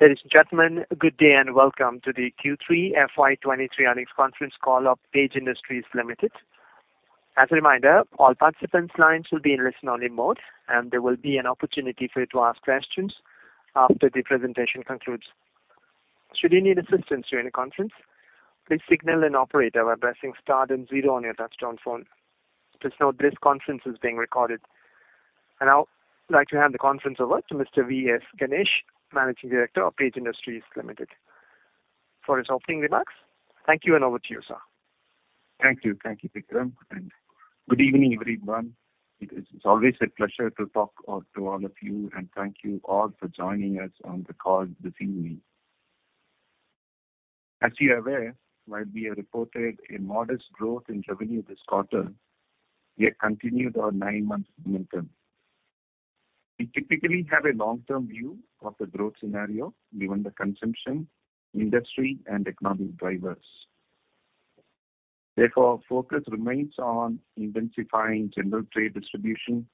Ladies and gentlemen, good day and welcome to the Q3 FY23 Earnings Conference Call of Page Industries Limited. As a reminder, all participants' lines will be in listen-only mode, and there will be an opportunity for you to ask questions after the presentation concludes. Should you need assistance during the conference, please signal an operator by pressing star then zero on your touch-tone phone. Please note this conference is being recorded. I would like to hand the conference over to Mr. V.S. Ganesh, Managing Director of Page Industries Limited for his opening remarks. Thank you, and over to you, sir. Thank you. Thank you, Vikram, and good evening, everyone. It is always a pleasure to talk to all of you, and thank you all for joining us on the call this evening. As you're aware, while we have reported a modest growth in revenue this quarter, we have continued our nine months momentum. We typically have a long-term view of the growth scenario given the consumption, industry, and economic drivers. Our focus remains on intensifying general trade distribution,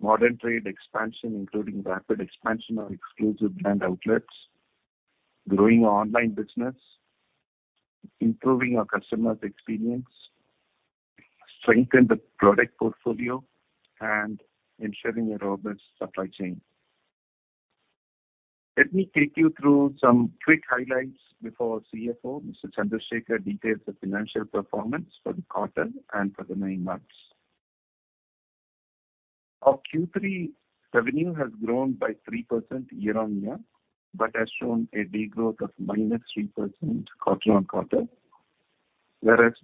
modern trade expansion, including rapid expansion of exclusive brand outlets, growing online business, improving our customers' experience, strengthen the product portfolio, and ensuring a robust supply chain. Let me take you through some quick highlights before our CFO, Mr. Chandrasekar, details the financial performance for the quarter and for the nine months. Our Q3 revenue has grown by 3% year-on-year but has shown a degrowth of -3% quarter-on-quarter.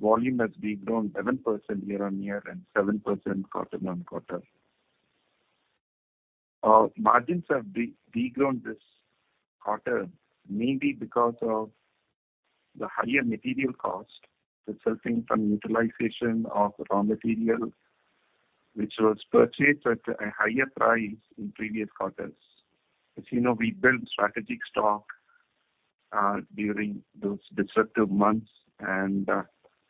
Volume has de-grown 7% year-on-year and 7% quarter-on-quarter. Our margins have de-degrown this quarter mainly because of the higher material cost resulting from utilization of raw materials which was purchased at a higher price in previous quarters. As you know, we built strategic stock during those disruptive months and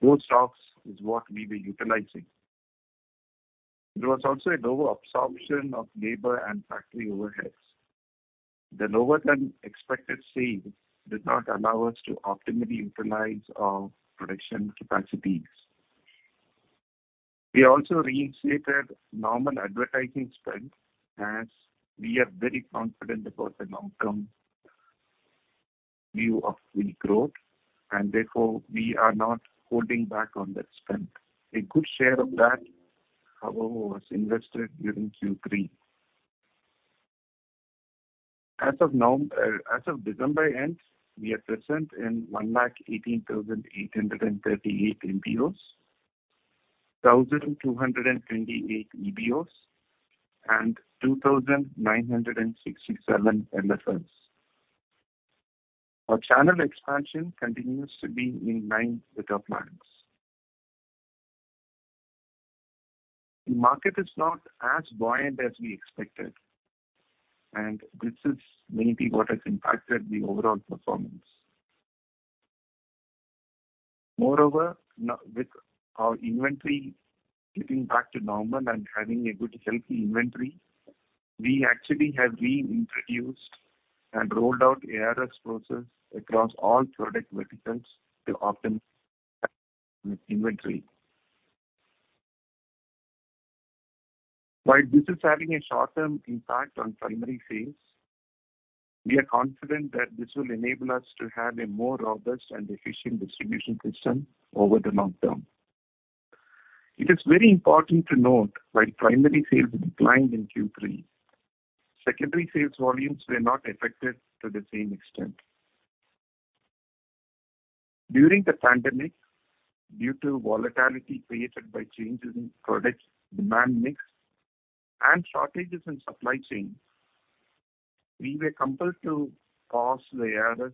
those stocks is what we were utilizing. There was also a lower absorption of labor and factory overheads. The lower than expected sales did not allow us to optimally utilize our production capacities. We also reinstated normal advertising spend as we are very confident about the long-term view of the growth and therefore we are not holding back on that spend. A good share of that, however, was invested during Q3. As of December end, we are present in 118,838 MBOs, 1,228 EBOs, and 2,967 LFS. Our channel expansion continues to be in line with our plans. The market is not as buoyant as we expected, and this is mainly what has impacted the overall performance. Moreover, with our inventory getting back to normal and having a good healthy inventory, we actually have reintroduced and rolled out ARS process across all product verticals to optimize inventory. While this is having a short-term impact on primary sales, we are confident that this will enable us to have a more robust and efficient distribution system over the long term. It is very important to note while primary sales declined in Q3, secondary sales volumes were not affected to the same extent. During the pandemic, due to volatility created by changes in product demand mix and shortages in supply chain, we were compelled to pause the ARS.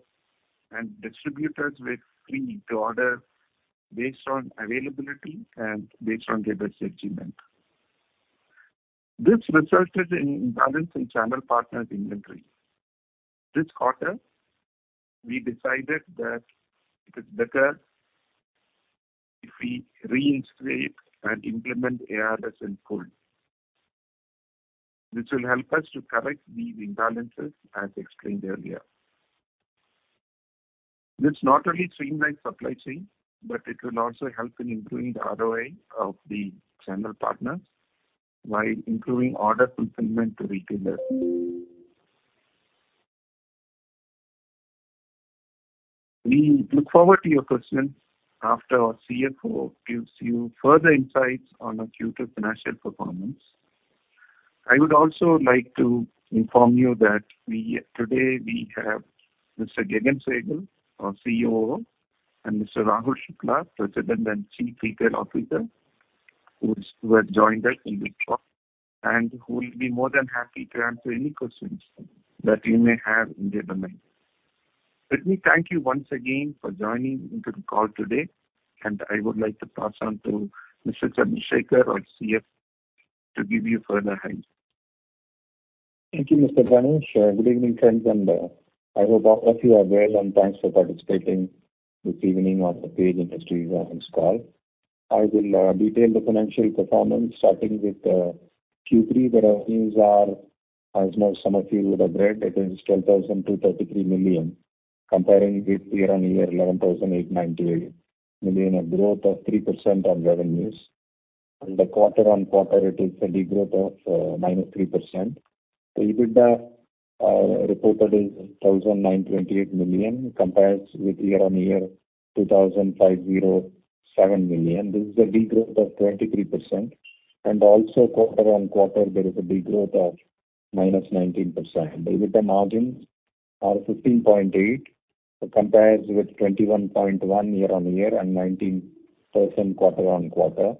Distributors were free to order based on availability and based on their best judgment. This resulted in imbalance in channel partners' inventory. This quarter, we decided that it is better if we reinstate and implement ARS in full. This will help us to correct these imbalances as explained earlier. This not only streamlines supply chain, it will also help in improving the ROI of the channel partners while improving order fulfillment to retailers. We look forward to your questions after our CFO gives you further insights on our Q2 financial performance. I would also like to inform you that today we have Mr. Gagan Sehgal, our COO, and Mr. Rahul Shukla, President and Chief Retail Officer, who have joined us in this call and who will be more than happy to answer any questions that you may have in their domain. Let me thank you once again for joining into the call today, and I would like to pass on to Mr. Chandrasekar, our CF, to give you further insights. Thank you, Mr. Ganesh. Good evening, friends, I hope all of you are well. Thanks for participating this evening on the Page Industries earnings call. I will detail the financial performance starting with Q3. The revenues are, as most some of you would have read, it is 10,233 million, comparing with year-on-year 11,898 million, a growth of 3% on revenues. The quarter-on-quarter it is a degrowth of -3%. The EBITDA reported is 1,928 million compares with year-on-year 2,507 million. This is a degrowth of 23%. Also quarter-on-quarter, there is a degrowth of -19%. The EBITDA margins are 15.8% compares with 21.1% year-on-year and 19% quarter-on-quarter.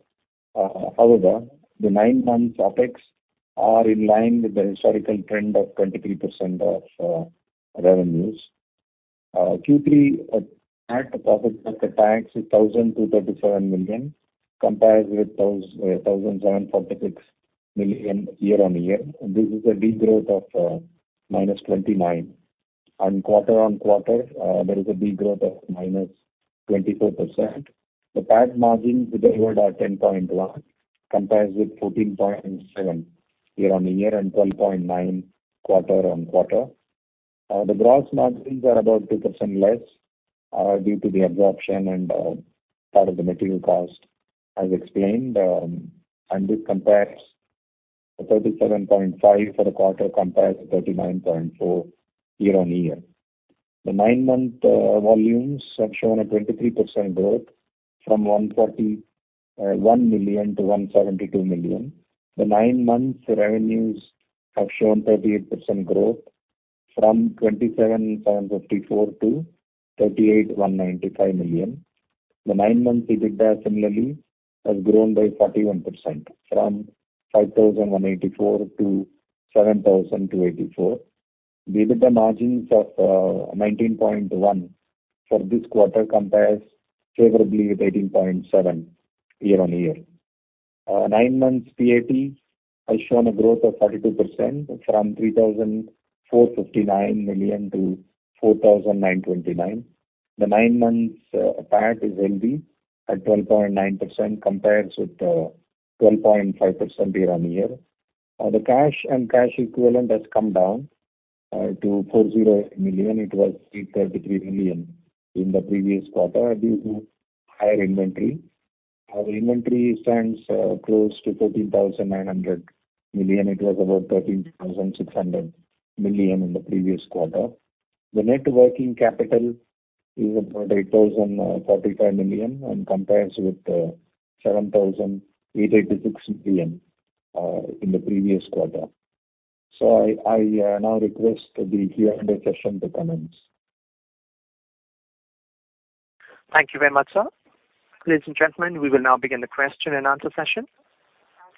However, the nine months OpEx are in line with the historical trend of 23% of revenues. Q3 at the profit before tax is 1,237 million compares with 1,746 million year-on-year. This is a degrowth of -29%. On quarter-on-quarter, there is a degrowth of -22%. The PAT margins delivered are 10.1% compares with 14.7% year-on-year, and 12.9% quarter-on-quarter. The gross margins are about 2% less due to the absorption and part of the material cost, as explained. This compares to 37.5% for the quarter compares to 39.4% year-on-year. The nine-month volumes have shown a 23% growth from 141 million to 172 million. The nine months revenues have shown 38% growth from 27,754 million to 38,195 million. The nine-month EBITDA similarly has grown by 41% from 5,184 to 7,284. The EBITDA margins of 19.1% for this quarter compares favorably with 18.7% year-on-year. Nine months PAT has shown a growth of 32% from 3,459 million to 4,929. The nine months PAT is healthy at 12.9% compares with 12.5% year-on-year. The cash and cash equivalent has come down to 40 million. It was 333 million in the previous quarter due to higher inventory. Our inventory stands close to 13,900 million. It was about 13,600 million in the previous quarter. The net working capital is about 8,045 million, and compares with 7,886 million in the previous quarter. I now request the Q&A session to commence. Thank you very much, sir. Ladies and gentlemen, we will now begin the question-and-answer session.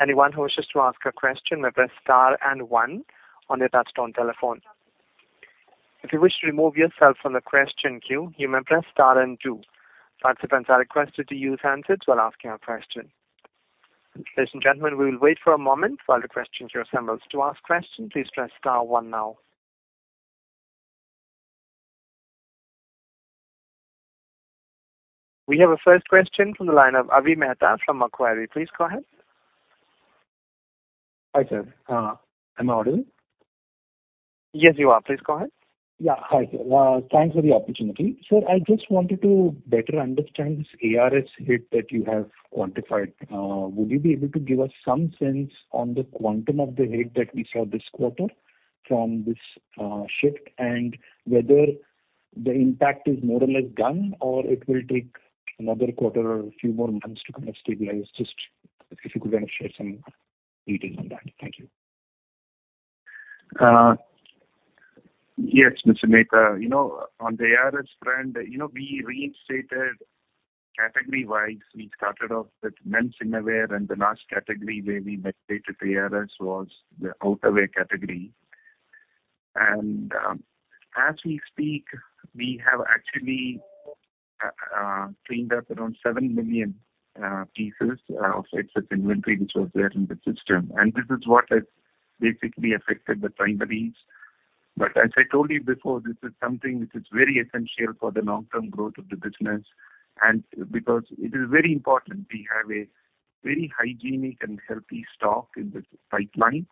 Anyone who wishes to ask a question may press star and one on your touch-tone telephone. If you wish to remove yourself from the question queue, you may press star and two. Participants are requested to use handsets while asking a question. Ladies and gentlemen, we will wait for a moment while the questions are assembled. To ask question, please press star one now. We have our first question from the line of Avi Mehta from Macquarie. Please go ahead. Hi, sir. Am I audible? Yes, you are. Please go ahead. Yeah. Hi. Thanks for the opportunity. Sir, I just wanted to better understand this ARS hit that you have quantified. Would you be able to give us some sense on the quantum of the hit that we saw this quarter from this shift, and whether the impact is more or less done, or it will take another quarter or a few more months to kinda stabilize? Just if you could kinda share some details on that. Thank you. Yes, Mr. Mehta. You know, on the ARS front, you know, we reinstated category-wise. We started off with men's innerwear, the last category where we mitigated the ARS was the outerwear category. As we speak, we have actually cleaned up around 7 million pieces of excess inventory which was there in the system, and this is what has basically affected the primaries. As I told you before, this is something which is very essential for the long-term growth of the business, and because it is very important we have a very hygienic and healthy stock in the pipeline.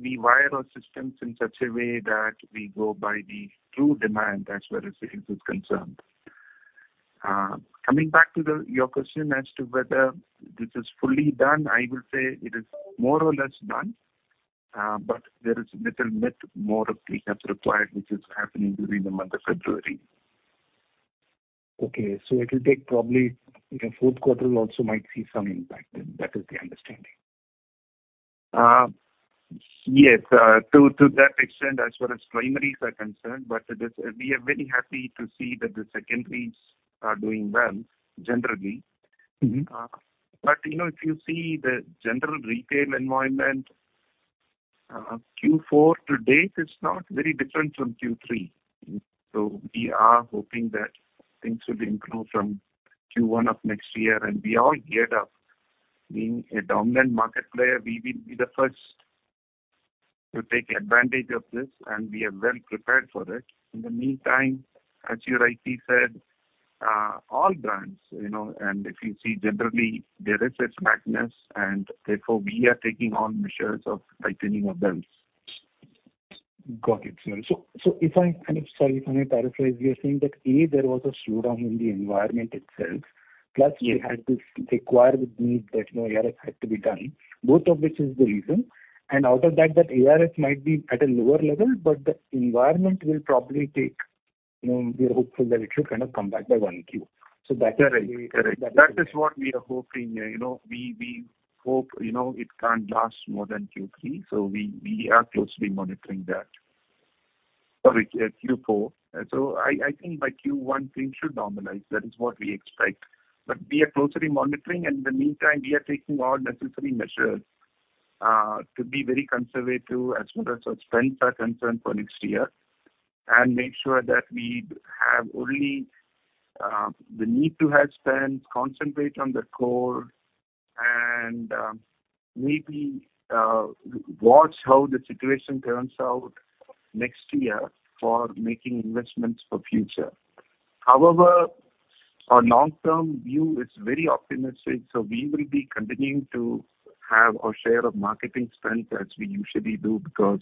We wire our systems in such a way that we go by the true demand as far as sales is concerned. Coming back to your question as to whether this is fully done, I will say it is more or less done. There is little bit more of cleanup required, which is happening during the month of February. Okay. It'll take probably, you know, fourth quarter also might see some impact then. That is the understanding. Yes, to that extent as far as primaries are concerned, we are very happy to see that the secondary are doing well generally. Mm-hmm. You know, if you see the general retail environment, Q4 to date is not very different from Q3. We are hoping that things will improve from Q1 of next year, and we are geared up. Being a dominant market player, we will be the first To take advantage of this. We are well prepared for it. In the meantime, as you rightly said, all brands, you know, and if you see generally there is a slackness, and therefore we are taking on measures of tightening our belts. Got it, sir. If I may paraphrase, you're saying that, A, there was a slowdown in the environment itself. Yes. Plus we had this required need that, you know, ARS had to be done, both of which is the reason. Out of that ARS might be at a lower level, but the environment will probably take, you know, we are hopeful that it should kind of come back by one Q. That's the. Correct. Correct. That is what we are hoping. You know, we hope, you know, it can't last more than Q3. We are closely monitoring that. Sorry, Q4. I think by Q1 things should normalize. That is what we expect. We are closely monitoring, and in the meantime, we are taking all necessary measures to be very conservative as soon as our strengths are concerned for next year, and make sure that we have only the need to have spends concentrate on the core and maybe watch how the situation turns out next year for making investments for future. However, our long-term view is very optimistic, we will be continuing to have our share of marketing strength as we usually do, because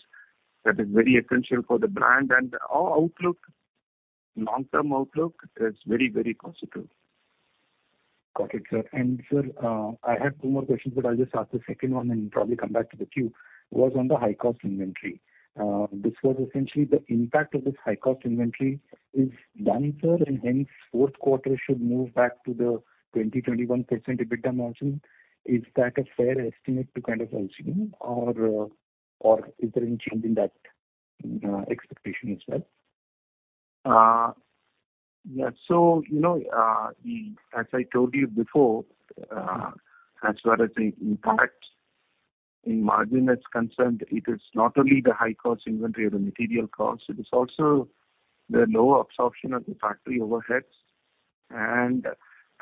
that is very essential for the brand. Our outlook, long-term outlook is very, very positive. Got it, sir. Sir, I have two more questions, but I'll just ask the second one and probably come back to the queue. Was on the high-cost inventory. This was essentially the impact of this high-cost inventory is done, sir, and hence fourth quarter should move back to the 20%-21% EBITDA margin. Is that a fair estimate to kind of assume or is there any change in that expectation as well? So you know, as I told you before, as far as the impact in margin is concerned, it is not only the high-cost inventory or the material cost, it is also the lower absorption of the factory overheads.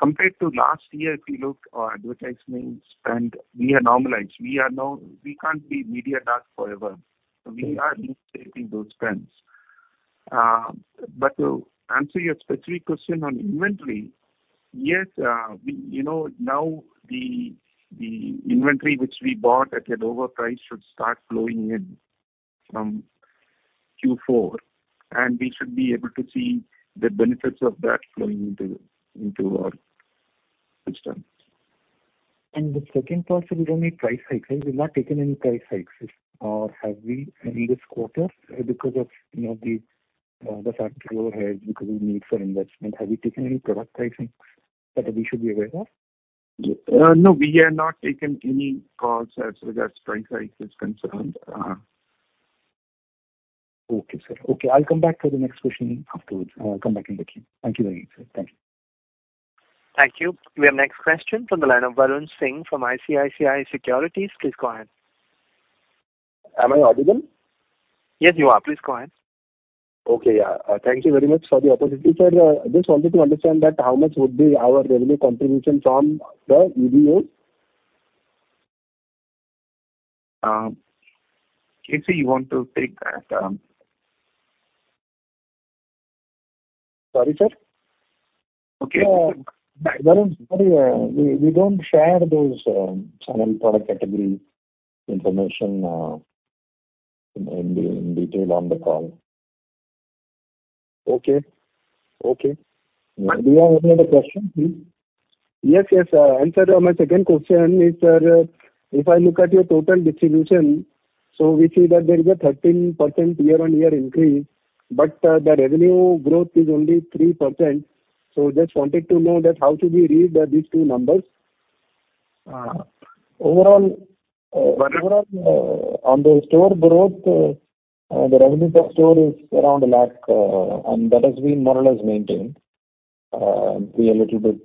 Compared to last year, if you look our advertisement spend, we are normalized. We can't be media dark forever. We are restating those spends. To answer your specific question on inventory, yes, we, you know, now the inventory which we bought at an overprice should start flowing in from Q4, and we should be able to see the benefits of that flowing into our systems. The second part, sir, is on the price hikes. We've not taken any price hikes, or have we in this quarter because of, you know, the factory overheads, because we need for investment? Have you taken any product pricing that we should be aware of? No, we have not taken any calls as far as price hike is concerned. Okay, sir. Okay, I'll come back for the next question afterwards. I'll come back in the queue. Thank you very much, sir. Thank you. Thank you. We have next question from the line of Varun Singh from ICICI Securities. Please go ahead. Am I audible? Yes, you are. Please go ahead. Okay. Yeah. Thank you very much for the opportunity, sir. I just wanted to understand that how much would be our revenue contribution from the EBO? If you want to take that. Sorry, sir? Okay. Varun, sorry. We don't share those final product category information in detail on the call. Okay. Okay. Do you have any other question, please? Yes, yes. Sir, my second question is, sir, if I look at your total distribution, so we see that there is a 13% year-on-year increase, but the revenue growth is only 3%. Just wanted to know that how should we read these two numbers? Overall, on the store growth, the revenue per store is around 1 lakh, and that has been more or less maintained, be a little bit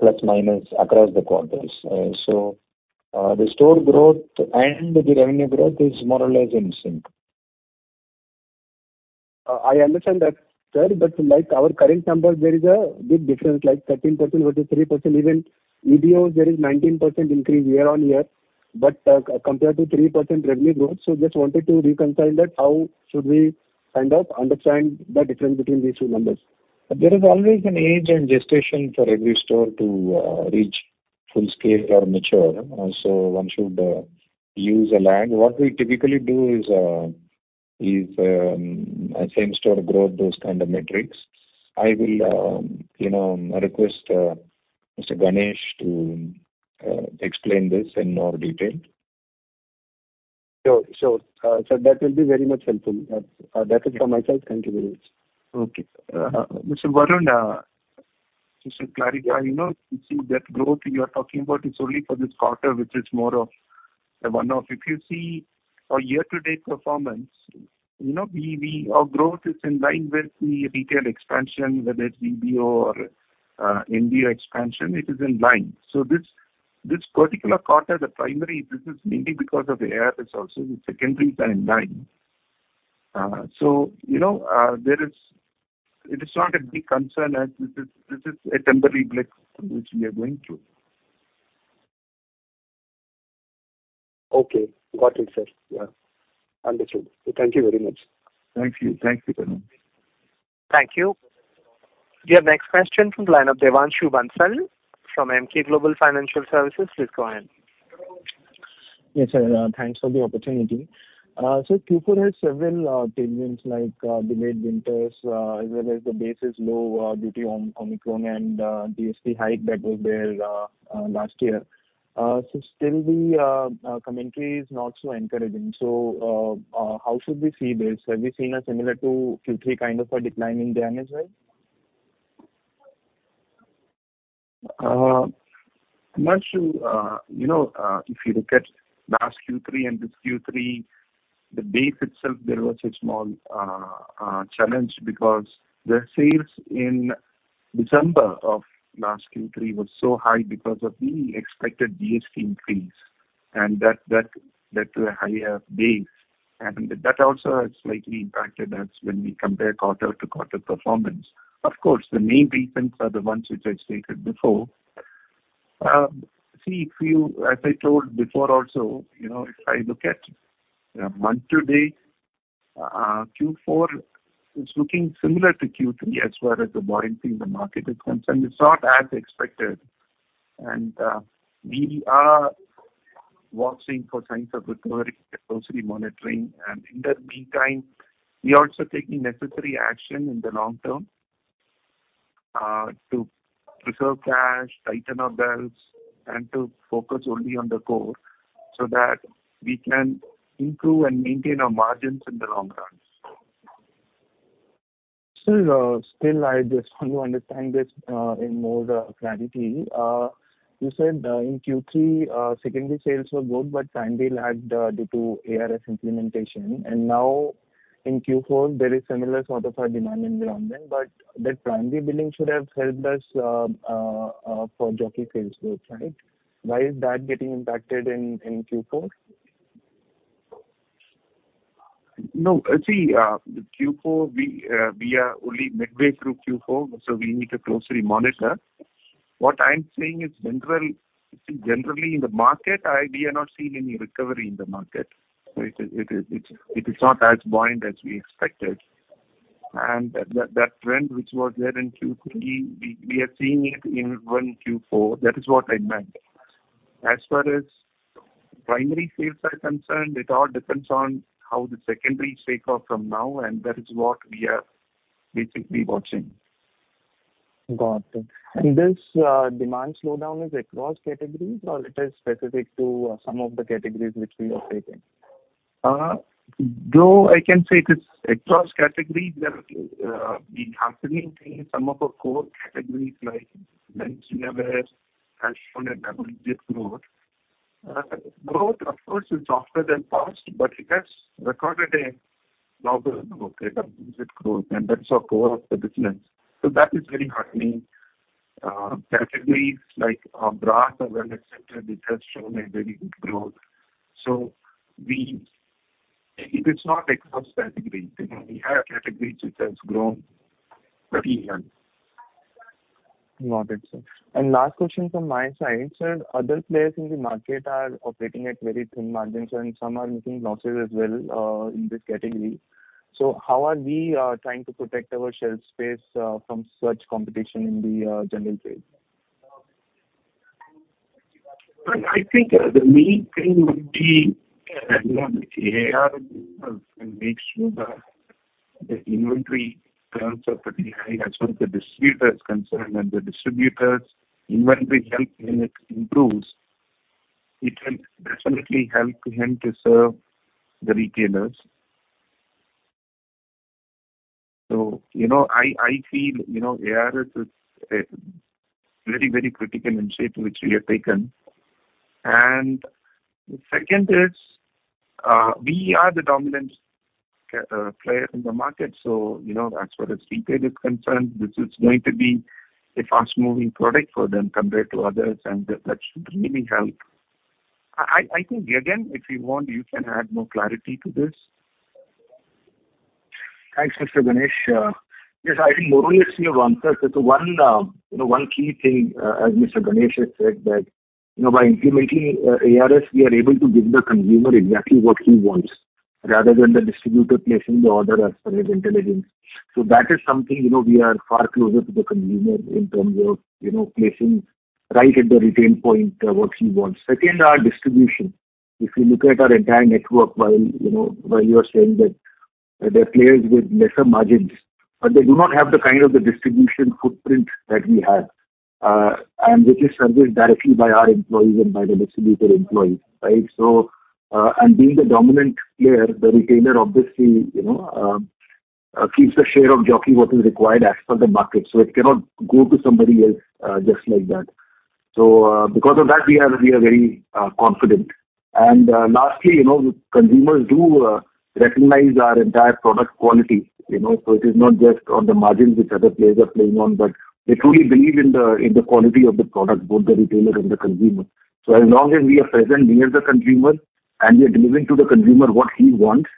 plus-minus across the quarters. The store growth and the revenue growth is more or less in sync. I understand that, sir, like our current numbers there is a big difference, like 13% versus 3%. Even EBOs there is 19% increase year-on-year, compared to 3% revenue growth. Just wanted to reconcile that. How should we kind of understand the difference between these two numbers? There is always an age and gestation for every store to reach full scale or mature. One should use a lag. What we typically do is a same store growth, those kind of metrics. I will, you know, request Mr. Ganesh to explain this in more detail. Sure. Sure. sir, that will be very much helpful. that is for myself. Thank you very much. Okay. Mr. Varun, just to clarify, you know, you see that growth you are talking about is only for this quarter, which is more of a one-off. If you see our year-to-date performance, you know, Our growth is in line with the retail expansion, whether it's EBO or MBO expansion, it is in line. This particular quarter, the primary business mainly because of the ARS is also the secondaries are in line. You know, It is not a big concern as this is a temporary glitch which we are going through. Okay. Got it, sir. Yeah. Understood. Thank you very much. Thank you. Thank you, Varun. Thank you. Your next question from the line of Devanshu Bansal from Emkay Global Financial Services. Please go ahead. Yes, sir. Thanks for the opportunity. Q4 had several tailwinds like delayed winters, as well as the base is low due to Omicron and GST hike that was there last year. Still the commentary is not so encouraging. How should we see this? Have you seen a similar to Q3 kind of a decline in demand as well? Much to, you know, if you look at last Q3 and this Q3, the base itself, there was a small challenge because the sales in December of last Q3 was so high because of the expected GST increase and that higher base happened. That also has slightly impacted us when we compare quarter-to-quarter performance. Of course, the main reasons are the ones which I've stated before. As I told before also, you know, if I look at month to date, Q4 is looking similar to Q3 as far as the volume in the market is concerned. It's not as expected. We are watching for signs of recovery, closely monitoring. In the meantime, we are also taking necessary action in the long term, to preserve cash, tighten our belts, and to focus only on the core, so that we can improve and maintain our margins in the long run. Sir, still I just want to understand this, in more clarity. You said, in Q3, secondary sales were good, but primary lagged, due to ARS implementation. Now in Q4 there is similar sort of a demand in ground then. That primary billing should have helped us, for Jockey sales growth, right? Why is that getting impacted in Q4? No. See, Q4 we are only midway through Q4, so we need to closely monitor. What I'm saying is generally in the market, we are not seeing any recovery in the market. It is not as buoyant as we expected. That, that trend which was there in Q3, we are seeing it in one Q4. That is what I meant. As far as primary sales are concerned, it all depends on how the secondary shape up from now. That is what we are basically watching. Got it. This demand slowdown is across categories or it is specific to some of the categories which we operate in? I can say it is across categories that, the heartening thing, some of our core categories like men's innerwears has shown a very good growth. Growth of course is softer than past, but it has recorded a double-digit growth, and that's our core of the business. That is very heartening. Categories like our bras are well accepted. It has shown a very good growth. It is not across categories. You know, we have categories which has grown pretty well. Got it, sir. Last question from my side, sir. Other players in the market are operating at very thin margins and some are making losses as well, in this category. How are we trying to protect our shelf space from such competition in the general trade? I think, you know, ARS and make sure that the inventory turns out pretty high as far as the distributor is concerned. The distributor's inventory health when it improves, it will definitely help him to serve the retailers. You know, ARS is a very, very critical initiative which we have taken. The second is, we are the dominant player in the market, you know, as far as C-trade is concerned, this is going to be a fast-moving product for them compared to others, and that should really help. I think, Gagan, if you want, you can add more clarity to this. Thanks, Mr. Ganesh. Yes, I think more or less, you have answered. One, you know, one key thing, as Mr. Ganesh has said that, you know, by implementing ARS, we are able to give the consumer exactly what he wants rather than the distributor placing the order as per his intelligence. That is something, you know, we are far closer to the consumer in terms of, you know, placing right at the retail point, what he wants. Second, our distribution. If you look at our entire network, while, you know, you are saying that there are players with lesser margins, but they do not have the kind of the distribution footprint that we have, and which is serviced directly by our employees and by the distributor employees, right? Being the dominant player, the retailer obviously, you know, keeps the share of Jockey what is required as per the market, so it cannot go to somebody else just like that. Because of that, we are very confident. Lastly, you know, consumers do recognize our entire product quality, you know. It is not just on the margins which other players are playing on, but they truly believe in the quality of the product, both the retailer and the consumer. As long as we are present near the consumer and we are delivering to the consumer what he wants-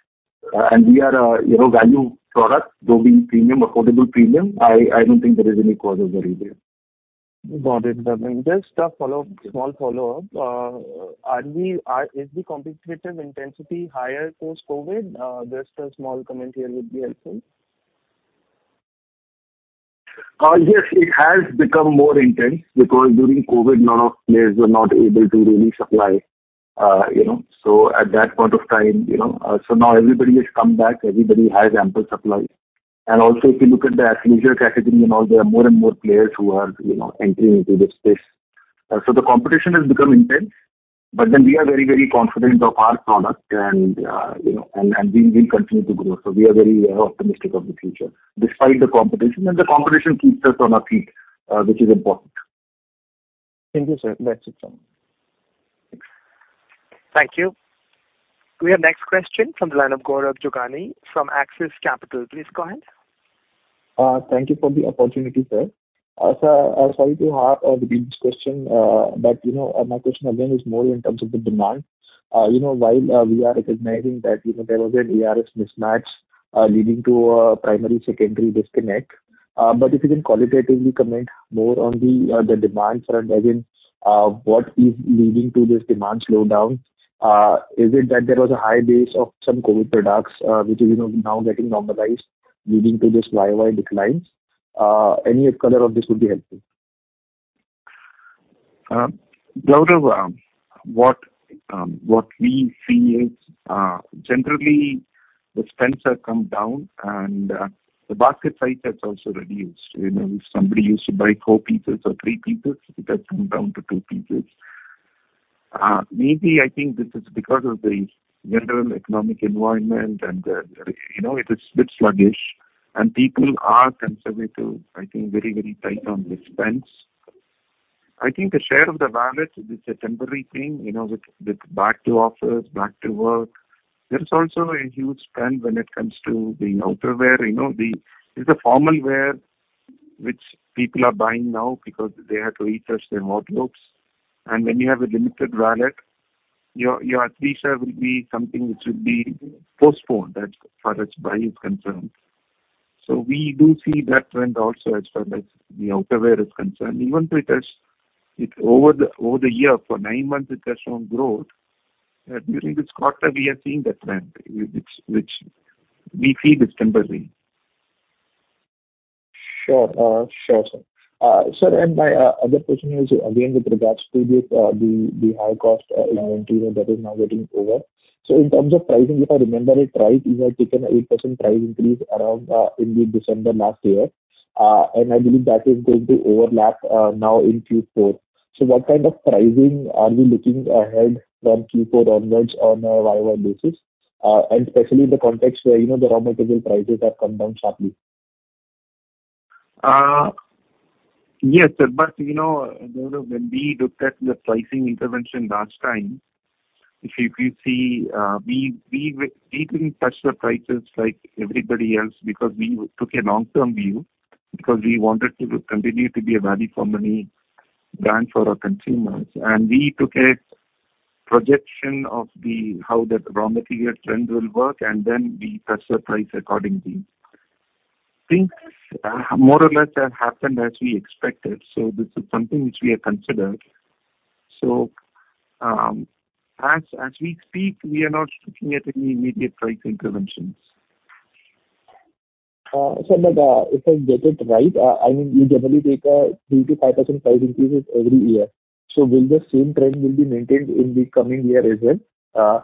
We are a, you know, value product, though being premium, affordable premium. I don't think there is any crossover really there. Got it. Just a follow-up, small follow-up. Is the competitive intensity higher post-COVID? Just a small comment here would be helpful. Yes, it has become more intense because during COVID none of players were not able to really supply, you know. At that point of time, you know. Now everybody has come back, everybody has ample supply. Also, if you look at the athleisure category and all, there are more and more players who are, you know, entering into this space. The competition has become intense. We are very, very confident of our product and, you know, and we will continue to grow. We are very optimistic of the future despite the competition, and the competition keeps us on our feet, which is important. Thank you, sir. That's it from me. Thanks. Thank you. We have next question from the line of Gaurav Jogani from Axis Capital. Please go ahead. Thank you for the opportunity, sir. Sir, sorry to harp on the previous question. You know, my question again is more in terms of the demand. You know, while we are recognizing that, you know, there was an ARS mismatch, leading to a primary, secondary disconnect. If you can qualitatively comment more on the demand front. Again, what is leading to this demand slowdown? Is it that there was a high base of some COVID products, which is, you know, now getting normalized leading to this Y-o-Y declines? Any color of this would be helpful. Gaurav, what we see is generally the spends have come down and the basket size has also reduced. You know, if somebody used to buy four pieces or three pieces, it has come down to two pieces. Maybe I think this is because of the general economic environment and, you know, it is bit sluggish and people are conservative, I think very tight on the spends. I think the share of the wallet is a temporary thing. You know, with back to office, back to work, there's also a huge spend when it comes to the outerwear. You know, It's the formal wear which people are buying now because they have to refresh their wardrobes. When you have a limited wallet, your athleisure will be something which will be postponed as far as buy is concerned. We do see that trend also as far as the outerwear is concerned. Even though over the year, for nine months it has shown growth. During this quarter we are seeing that trend which we feel is temporary. Sure. Sure, sir. Sir, and my other question is again with regards to this, the high cost inventory that is now getting over. In terms of pricing, if I remember it right, you had taken a 8% price increase around in the December last year. I believe that is going to overlap now in Q4. What kind of pricing are we looking ahead from Q4 onwards on a year-over-year basis? Especially in the context where, you know, the raw material prices have come down sharply. Yes, sir. You know, Gaurav, when we looked at the pricing intervention last time, if you see, we didn't touch the prices like everybody else because we took a long-term view. We wanted to continue to be a value for money brand for our consumers. We took a projection of the... how the raw material trends will work and then we touched the price accordingly. Things more or less have happened as we expected, so this is something which we have considered. As we speak, we are not looking at any immediate pricing interventions. Sir, if I get it right, I mean, you generally take a 3%-5% price increases every year. Will the same trend be maintained in the coming year as well?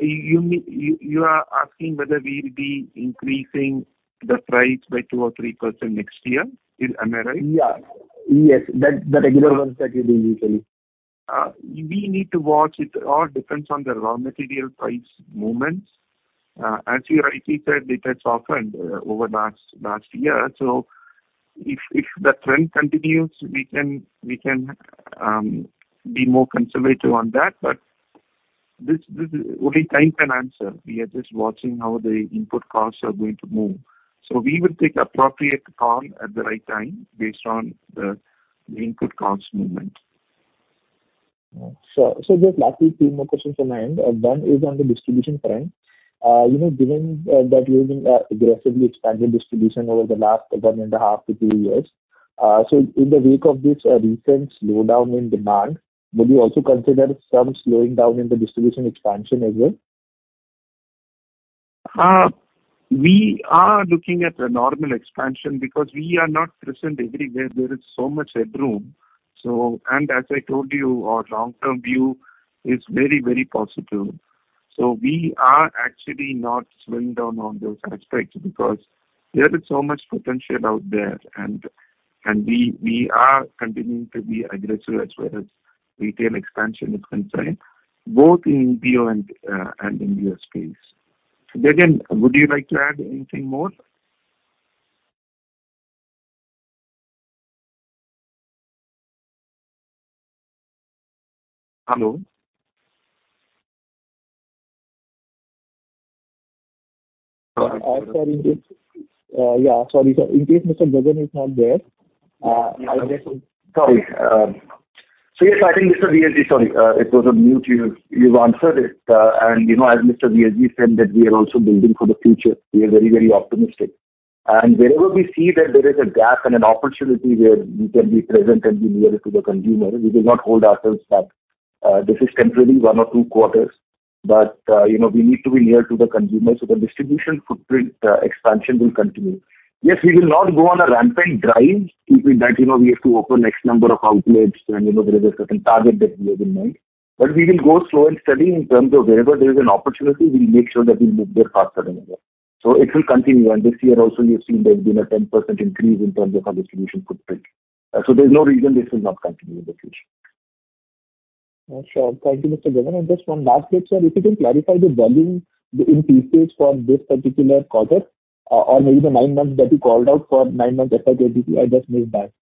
You mean, you are asking whether we'll be increasing the price by 2% or 3% next year? Am I right? Yeah. Yes. That, the regular ones that you do usually. We need to watch. It all depends on the raw material price movements. As you rightly said, it has softened over last year. If the trend continues, we can be more conservative on that. This is. Only time can answer. We are just watching how the input costs are going to move. We will take appropriate call at the right time based on the input costs movement. Just lastly, two more questions from my end. One is on the distribution trend. You know, given that you have been aggressively expanding distribution over the last 1.5 to two years. In the wake of this, recent slowdown in demand, would you also consider some slowing down in the distribution expansion as well? We are looking at a normal expansion because we are not present everywhere. There is so much headroom. As I told you, our long-term view is very, very positive. We are actually not slowing down on those aspects because there is so much potential out there. We are continuing to be aggressive as far as retail expansion is concerned, both in EBO and in LFS space. Gagan, would you like to add anything more? Hello? Yeah. Sorry, sir. In case Mr. Gagan is not there. I think Mr. V.S. Ganesh. Sorry, it was on mute. You, you've answered it. And you know, as Mr. V.S. said that we are also building for the future. We are very, very optimistic. And wherever we see that there is a gap and an opportunity where we can be present and be nearer to the consumer, we will not hold ourselves back. This is temporarily one or two quarters, but, you know, we need to be near to the consumer, so the distribution footprint expansion will continue. Yes, we will not go on a rampant drive keeping that, you know, we have to open X number of outlets and, you know, there is a certain target that we have in mind. We will go slow and steady in terms of wherever there is an opportunity, we'll make sure that we move there faster than ever. It will continue. This year also you've seen there's been a 10% increase in terms of our distribution footprint. There's no reason this will not continue in the future. Sure. Thank you, Mr. Gagan. Just one last bit, sir. If you can clarify the volume in pieces for this particular quarter, or maybe the nine months that you called out for nine months as of Y-t-D, I just missed that.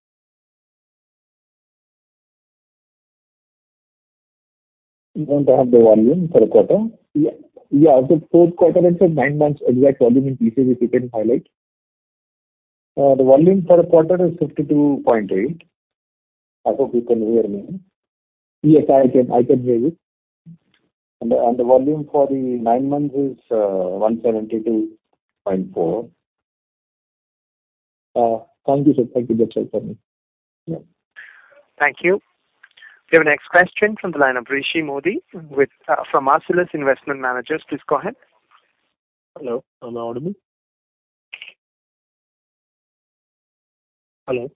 You want to have the volume for a quarter? Yeah. Yeah. The fourth quarter and for nine months, exact volume in pieces if you can highlight? The volume for a quarter is 52.8. I hope you can hear me. I can hear you. The volume for the nine months is 172.4. Thank you, sir. Thank you. That's all for me. Yeah. Thank you. We have our next question from the line of Rishi Mody with from Marcellus Investment Managers. Please go ahead. Hello, am I audible? Hello.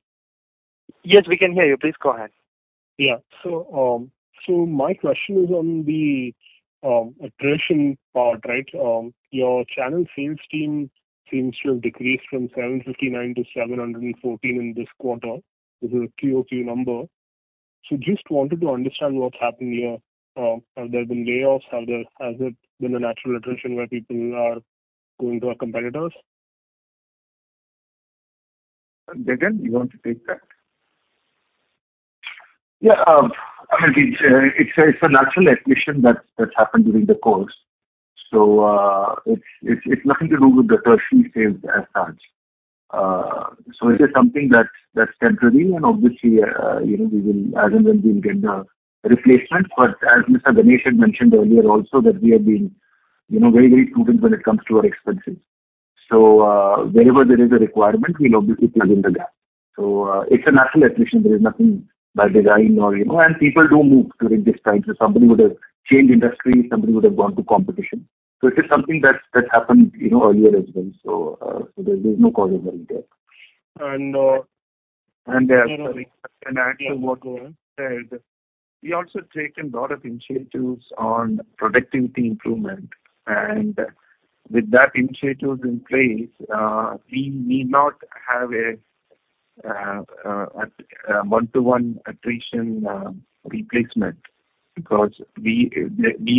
Yes, we can hear you. Please go ahead. Yeah. My question is on the attrition part, right? Your channel sales team seems to have decreased from 759 to 714 in this quarter. This is a QOQ number. Just wanted to understand what's happened here. Have there been layoffs? Has it been a natural attrition where people are going to our competitors? Gagan, you want to take that? Yeah. I mean, it's a natural attrition that's happened during the course. It's nothing to do with the primary sales as such. It is something that's temporary and obviously, you know, we will as and when we will get the replacement. As Mr. Ganesh had mentioned earlier also that we have been, you know, very, very prudent when it comes to our expenses. Wherever there is a requirement, we'll obviously plug in the gap. It's a natural attrition. There is nothing by design or, you know. People do move during this time. Somebody would have changed industry, somebody would have gone to competition. It is something that's happened, you know, earlier as well. There's no cause of worry there. And, uh- Sorry. Add to what Gagan said. We also taken lot of initiatives on productivity improvement. With that initiatives in place, we need not have a one-to-one attrition replacement because we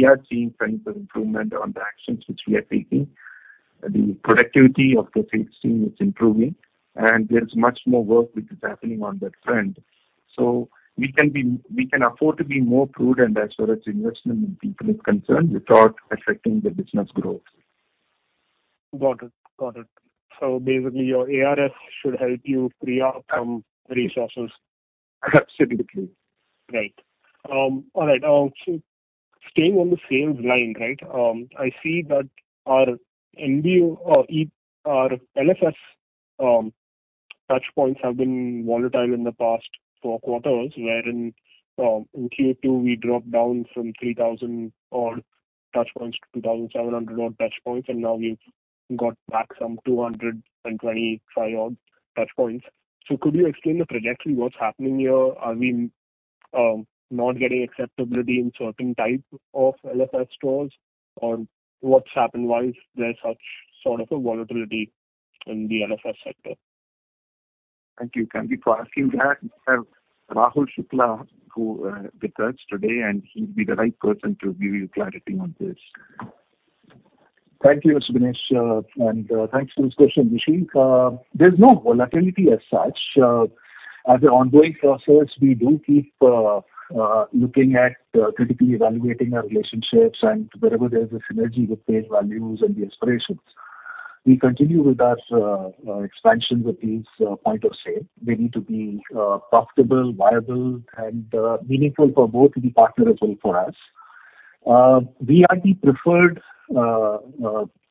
are seeing signs of improvement on the actions which we are taking. The productivity of the sales team is improving, and there's much more work which is happening on that front. We can afford to be more prudent as far as investment in people is concerned without affecting the business growth. Got it. Basically, your ARS should help you free up some resources. Simply put. All right. Staying on the sales line, right? I see that our MBO or our LFS touchpoints have been volatile in the past four quarters, wherein, in Q2 we dropped down from 3,000 odd touchpoints to 2,700 odd touchpoints, and now we've got back some 225 odds touchpoints. Could you explain the trajectory, what's happening here? Are we not getting acceptability in certain type of LFS stores, or what's happened? Why is there such sort of a volatility in the LFS sector? Thank you. Thank you for asking that. I have Rahul Shukla, who with us today, and he'll be the right person to give you clarity on this. Thank you, Mr. Ganesh. Thanks for this question, Rishi. There's no volatility as such. As an ongoing process, we do keep looking at critically evaluating our relationships and wherever there's a synergy with shared values and the aspirations. We continue with our expansions with these point of sale. They need to be profitable, viable and meaningful for both the partner as well for us. We are the preferred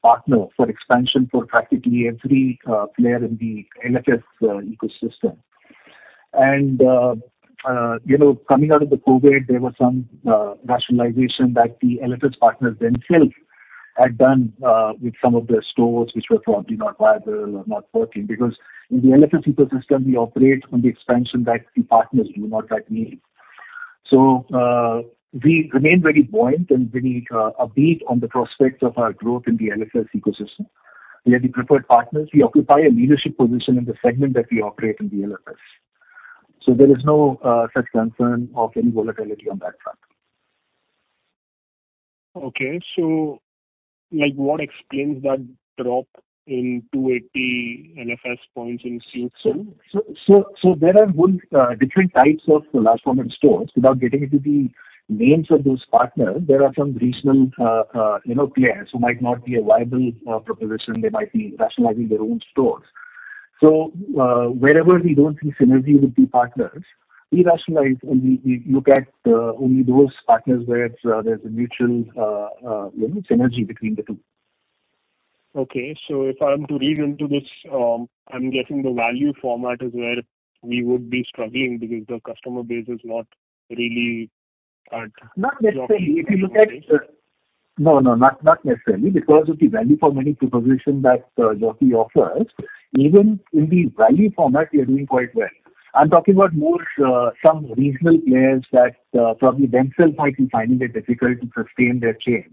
partner for expansion for practically every player in the LFS ecosystem. You know, coming out of the COVID, there were some rationalization that the LFS partners themselves had done with some of their stores which were thought to be not viable or not working because in the LFS ecosystem, we operate on the expansion that the partners do, not that we. We remain very buoyant and very upbeat on the prospects of our growth in the LFS ecosystem. We are the preferred partners. We occupy a leadership position in the segment that we operate in the LFS. There is no such concern of any volatility on that front. Okay. like what explains that drop in 280 LFS points in Q2? There are whole different types of Large Format Stores. Without getting into the names of those partners, there are some regional, you know, players who might not be a viable proposition. They might be rationalizing their own stores. Wherever we don't see synergy with the partners, we rationalize and we look at only those partners where there's a mutual, you know, synergy between the two. Okay. If I'm to read into this, I'm guessing the value format is where we would be struggling because the customer base is not really. Not necessarily. If you look at the... No, not necessarily because of the value for many proposition that Jockey offers, even in the value format, we are doing quite well. I'm talking about more some regional players that probably themselves might be finding it difficult to sustain their chains,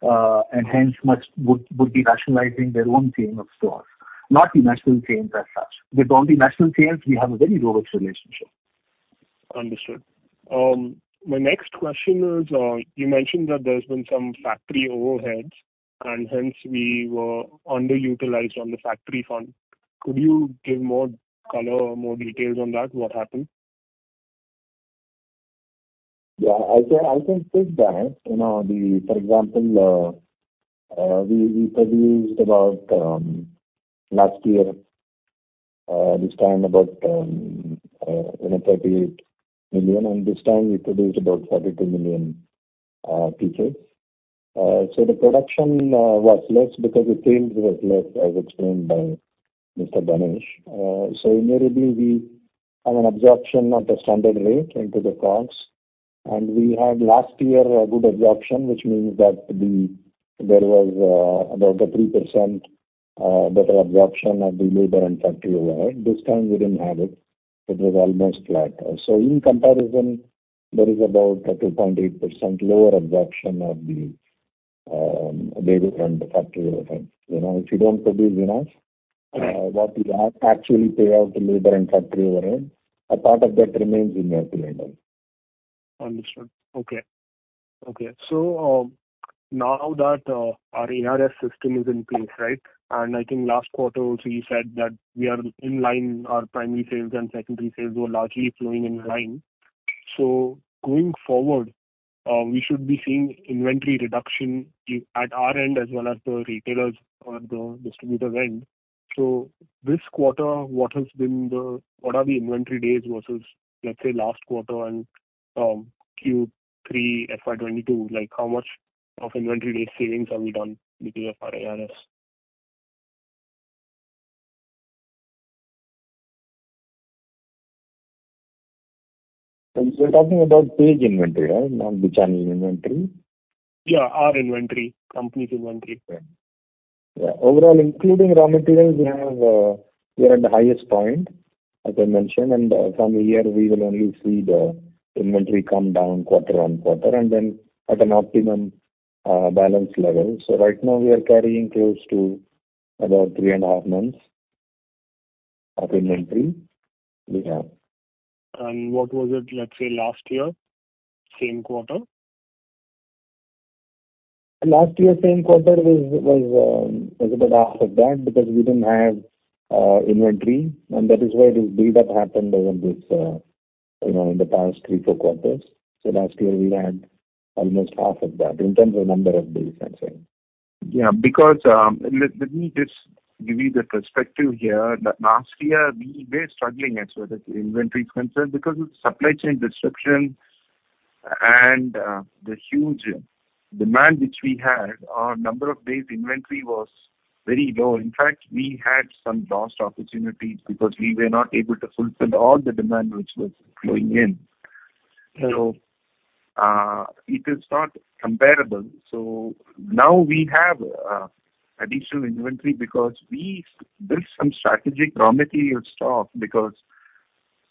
and hence would be rationalizing their own chain of stores, not the national chains as such. With all the national chains, we have a very robust relationship. Understood. My next question is, you mentioned that there's been some factory overheads, and hence we were underutilized on the factory front. Could you give more color or more details on that, what happened? Yeah. I can take that. You know, for example, we produced about last year, this time about, you know, 38 million, and this time we produced about 42 million pieces. The production was less because the sales were less, as explained by Mr. Ganesh. Invariably we have an absorption at a standard rate into the costs. We had last year a good absorption, which means that there was about a 3% better absorption of the labor and factory overhead. This time we didn't have it. It was almost flat. In comparison, there is about a 2.8% lower absorption of the labor and factory overhead. You know, if you don't produce enough, what you actually pay out to labor and factory overhead, a part of that remains in your P&L. Understood. Okay. Okay. Now that our ARS system is in place, right? And I think last quarter also you said that we are in line, our primary sales and secondary sales were largely flowing in line. Going forward, we should be seeing inventory reduction at our end as well as the retailers or the distributors' end. This quarter, what are the inventory days versus, let's say, last quarter and Q3 FY 2022? Like, how much of inventory days savings have we done because of our ARS? You're talking about Page inventory, right? Not the channel inventory. Yeah, our inventory. Company's inventory. Yeah. Overall, including raw materials, we have, we are at the highest point, as I mentioned. From here, we will only see the inventory come down quarter-on-quarter and then at an optimum, balance level. Right now we are carrying close to about three and a half months of inventory we have. What was it, let's say, last year, same quarter? Last year same quarter was about half of that because we didn't have inventory, and that is why this buildup happened over this, you know, in the past three, four quarters. Last year we had almost half of that in terms of number of days, I'm saying. Yeah. Because, let me just give you the perspective here. Last year we were struggling as far as inventory is concerned because of supply chain disruption and the huge demand which we had. Our number of days inventory was very low. In fact, we had some lost opportunities because we were not able to fulfill all the demand which was flowing in. It is not comparable. Now we have additional inventory because we built some strategic raw material stock because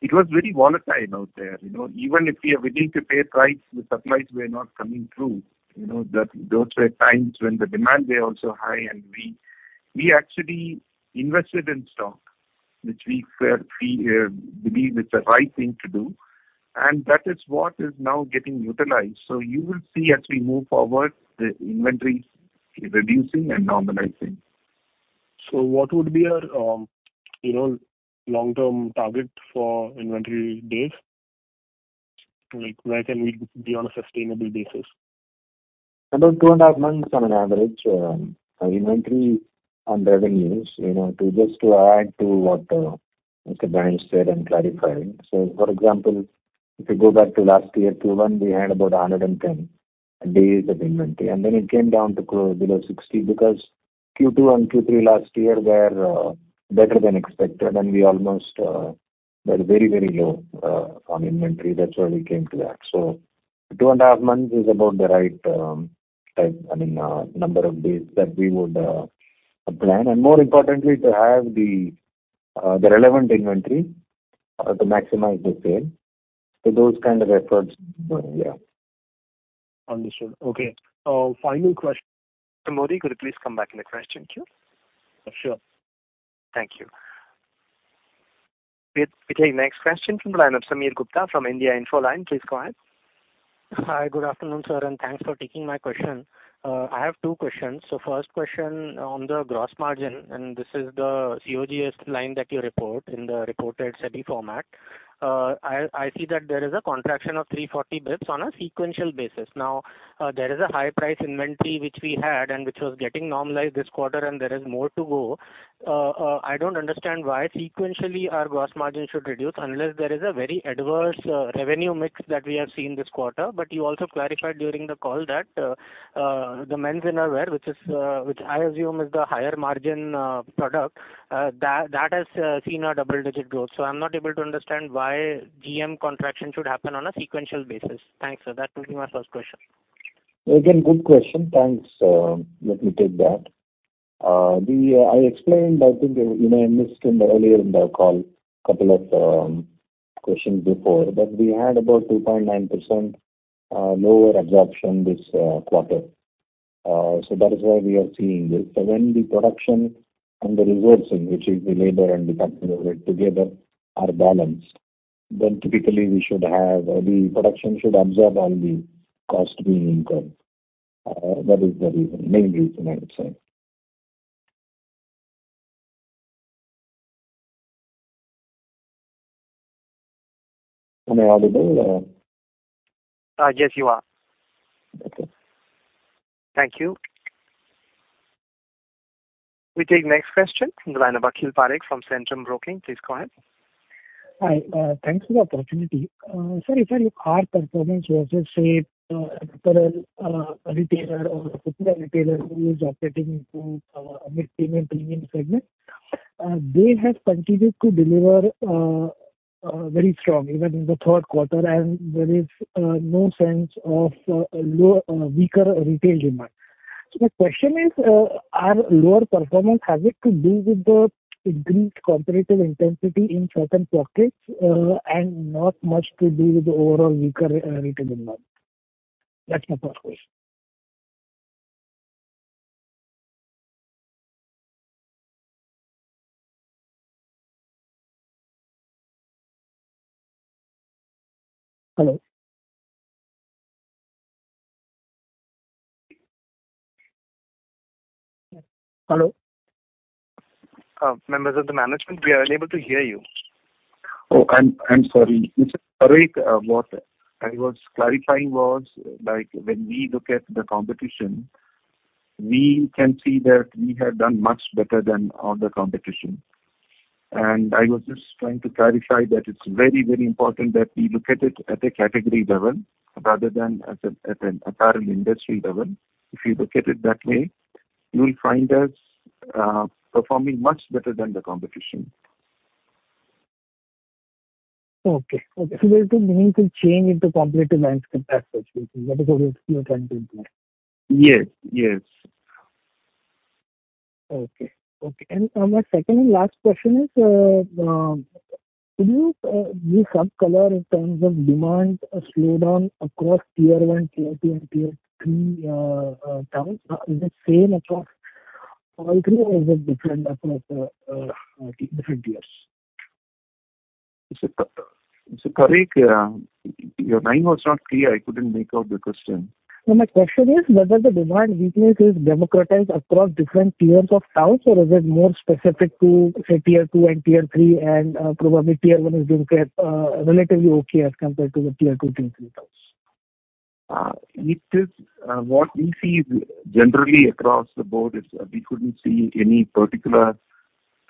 it was very volatile out there. You know, even if we are willing to pay price, the supplies were not coming through. You know, that those were times when the demand were also high and we actually invested in stock, which we felt we believe it's the right thing to do, and that is what is now getting utilized. You will see as we move forward, the inventory is reducing and normalizing. What would be our, you know, long-term target for inventory days? Like, where can we be on a sustainable basis? About two and a half months on an average, our inventory on revenues, you know, to just to add to what Mr. Ganesh said and clarifying. For example, if you go back to last year Q1, we had about 110 days of inventory, and then it came down to below 60 because Q2 and Q3 last year were better than expected and we almost were very, very low on inventory. That's why we came to that. Two and a half months is about the right time, I mean, number of days that we would plan, and more importantly, to have the relevant inventory to maximize the sale. Those kind of efforts, yeah. Understood. Okay. final question- Mody, could you please come back in the question queue? Sure. Thank you. We take next question from the line of Sameer Gupta from India Infoline. Please go ahead. Hi. Good afternoon, sir, thanks for taking my question. I have two questions. First question on the gross margin, this is the COGS line that you report in the reported SEBI format. I see that there is a contraction of 340 basis points on a sequential basis. There is a high price inventory which we had and which was getting normalized this quarter, and there is more to go. I don't understand why sequentially our gross margin should reduce unless there is a very adverse revenue mix that we have seen this quarter. You also clarified during the call that the men's innerwear, which is which I assume is the higher margin product, that has seen a double-digit growth. I'm not able to understand why GM contraction should happen on a sequential basis. Thanks, sir. That will be my first question. Good question. Thanks. Let me take that. I explained, I think, you know, you may have missed in the earlier in the call couple of questions before, we had about 2.9% lower absorption this quarter. That is why we are seeing this. When the production and the resourcing, which is the labor and the factory overhead together, are balanced, typically we should have the production should absorb all the cost being incurred. That is the reason, main reason I would say. Am I audible? Yes, you are. Okay. Thank you. We take next question from the line of Akhil Parekh from Centrum Broking. Please go ahead. Hi. Thanks for the opportunity. Sir, if I look our performance versus apparel retailer or footwear retailer who is operating into mid, premium segment, they have continued to deliver very strong even in the third quarter, and there is no sense of weaker retail demand. The question is, our lower performance, has it to do with the increased competitive intensity in certain pockets, and not much to do with the overall weaker retail demand? That's my first question. Hello? Members of the management, we are unable to hear you. I'm sorry. Mr. Parekh, what I was clarifying was like when we look at the competition, we can see that we have done much better than all the competition. I was just trying to clarify that it's very, very important that we look at it at a category level rather than at an apparel industry level. If you look at it that way, you'll find us performing much better than the competition. Okay. Okay. There's no meaningful change in the competitive landscape as such, basically, that is what you're trying to imply. Yes. Yes. Okay. My second and last question is, could you give some color in terms of demand slowdown across Tier 1, Tier 2 and Tier 3 towns? Is it same across all three or is it different across different tiers? Mr. Parekh, your line was not clear. I couldn't make out the question. My question is whether the demand weakness is democratized across different tiers of towns, or is it more specific to, say, Tier 2 and Tier 3, and probably Tier 1 is doing relatively okay as compared to the Tier 2, Tier 3 towns? What we see is generally across the board is we couldn't see any particular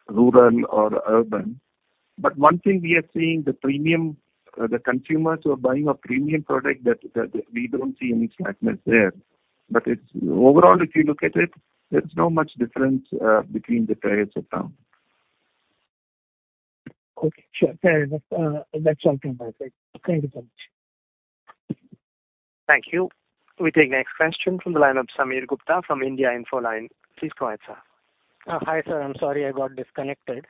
rural or urban. One thing we are seeing, the premium consumers who are buying a premium product, that we don't see any slackness there. Overall, if you look at it, there's not much difference between the tiers of town. Okay, sure. Fair enough. That's all from my side. Thank you so much. Thank you. We take next question from the line of Samir Gupta from India Infoline. Please go ahead, sir. Hi sir, I'm sorry I got disconnected.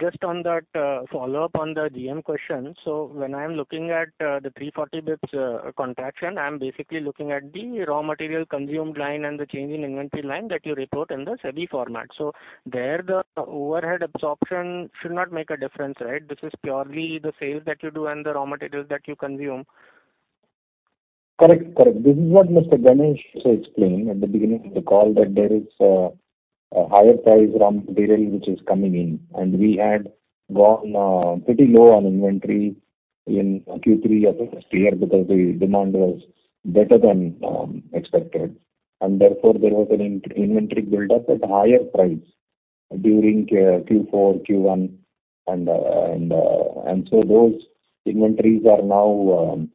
Just on that follow-up on the GM question. When I'm looking at the 340 basis points contraction, I'm basically looking at the raw material consumed line and the change in inventory line that you report in the SEBI format. There the overhead absorption should not make a difference, right? This is purely the sales that you do and the raw materials that you consume. Correct. Correct. This is what Mr. Ganesh also explained at the beginning of the call that there is a higher price raw material which is coming in. We had gone pretty low on inventory in Q3 of last year because the demand was better than expected. Therefore, there was an in-inventory buildup at higher price during Q4, Q1. So those inventories are now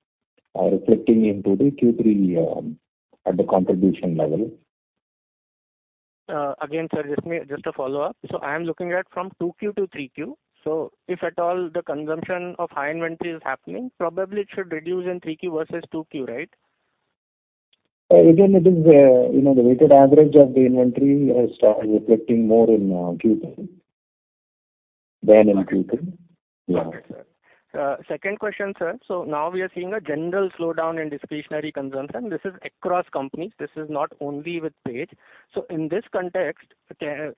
reflecting into the Q3 at the contribution level. Again, sir, just a follow-up. I am looking at from 2Q to 3Q. If at all the consumption of high inventory is happening, probably it should reduce in 3Q versus 2Q, right? again, it is, you know, the weighted average of the inventory, start reflecting more in Q3 than in Q2. Okay, sir. second question, sir. Now we are seeing a general slowdown in discretionary consumption. This is across companies. This is not only with Page. In this context,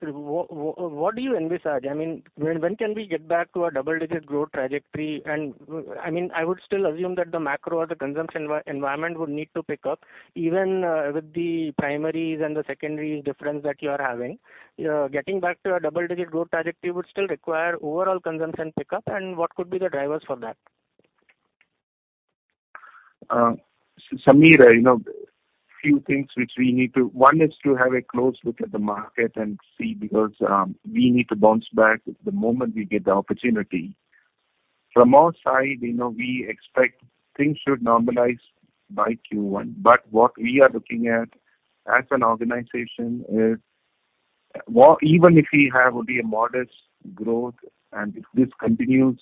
what, what do you envisage? I mean, when can we get back to a double-digit growth trajectory? I mean, I would still assume that the macro or the consumption environment would need to pick up even with the primaries and the secondary difference that you are having. Getting back to a double-digit growth trajectory would still require overall consumption pickup, and what could be the drivers for that? Sameer, you know, few things which we need to. One is to have a close look at the market and see because we need to bounce back the moment we get the opportunity. From our side, you know, we expect things should normalize by Q1. What we are looking at as an organization is even if we have only a modest growth, and if this continues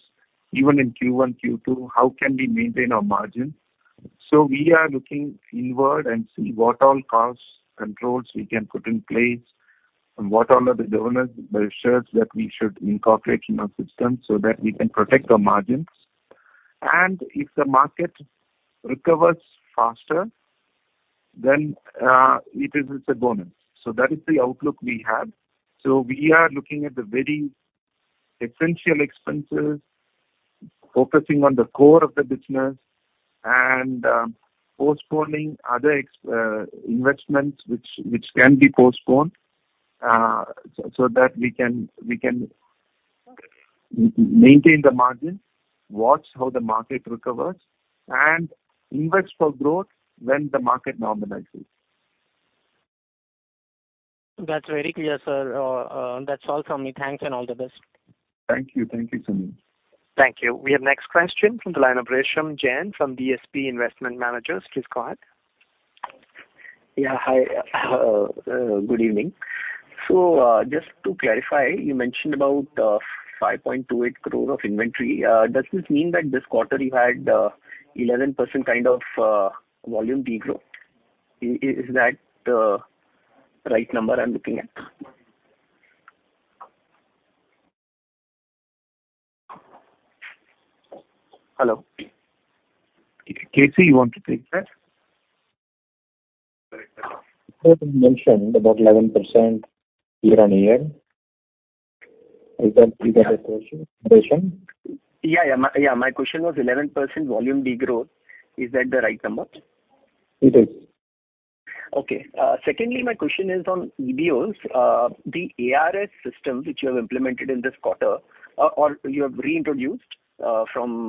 even in Q1, Q2, how can we maintain our margin? We are looking inward and see what all cost controls we can put in place and what all are the governance measures that we should incorporate in our system so that we can protect our margins. If the market recovers faster, then it is as a bonus. That is the outlook we have. We are looking at the very essential expenses, focusing on the core of the business and postponing other investments which can be postponed, so that we can maintain the margins, watch how the market recovers, and invest for growth when the market normalizes. That's very clear, sir. That's all from me. Thanks. All the best. Thank you. Thank you, Sameer. Thank you. We have next question from the line of Resham Jain from DSP Investment Managers. Please go ahead. Yeah. Hi. Good evening. Just to clarify, you mentioned about 5.28 crore of inventory. Does this mean that this quarter you had 11% kind of volume degrowth? Is that the right number I'm looking at? Hello? KC, you want to take that? Sir, you mentioned about 11% year-on-year. Is that the question, Resham? Yeah. My question was 11% volume degrowth, is that the right number? It is. Okay. Secondly, my question is on EBOs. The ARS system which you have implemented in this quarter or you have reintroduced from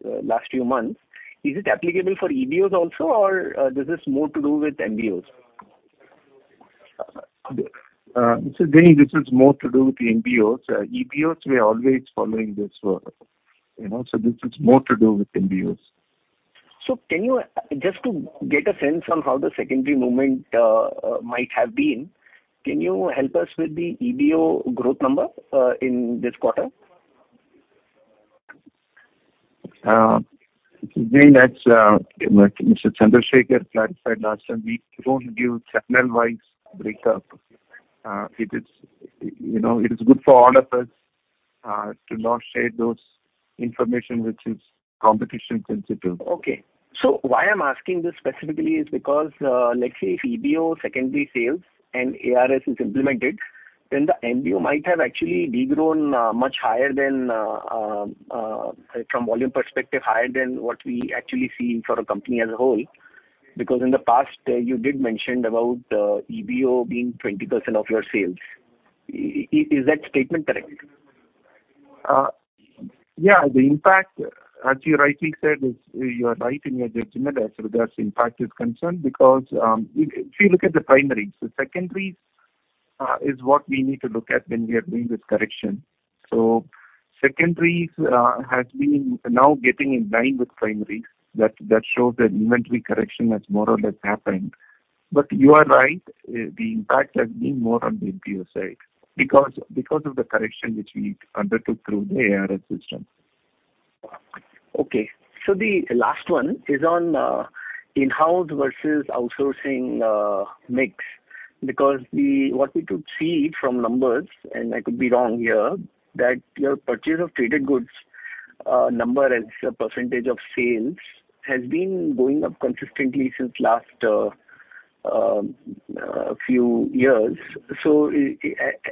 last few months, is it applicable for EBOs also or does this more to do with MBOs? Jain, this is more to do with the MBOs. EBOs we are always following this work, you know, so this is more to do with MBOs. Just to get a sense on how the secondary movement might have been, can you help us with the EBO growth number in this quarter? Jain, as Mr. Chandrasekar clarified last time, we don't give channel-wise breakup. It is, you know, it is good for all of us to not share those information which is competition sensitive. Why I'm asking this specifically is because, let's say if EBO secondary sales and ARS is implemented, then the MBO might have actually degrown much higher than from volume perspective, higher than what we actually see for a company as a whole. In the past, you did mention about EBO being 20% of your sales. Is that statement correct? Yeah. The impact, as you rightly said, is you are right in your judgment as far as impact is concerned because if you look at the primaries. The secondaries is what we need to look at when we are doing this correction. Secondaries has been now getting in line with primaries. That shows that inventory correction has more or less happened. You are right. The impact has been more on the MBO side because of the correction which we undertook through the ARS system. Okay. The last one is on in-house versus outsourcing mix. Because what we could see from numbers, and I could be wrong here, that your purchase of traded goods number as a percentage of sales has been going up consistently since last few years.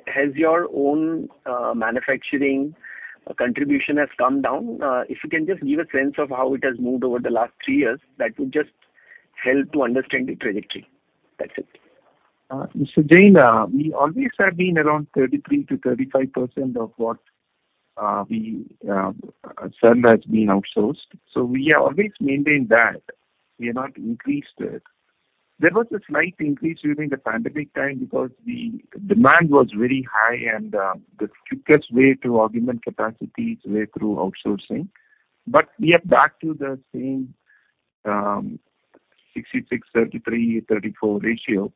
As your own manufacturing contribution has come down, if you can just give a sense of how it has moved over the last three years, that would just help to understand the trajectory. That's it. Mr. Jain, we always have been around 33%-35% of what we sell has been outsourced. We have always maintained that. We have not increased it. There was a slight increase during the pandemic time because the demand was very high and the quickest way to augment capacity is the way through outsourcing. We are back to the same 66, 33, 34 ratio.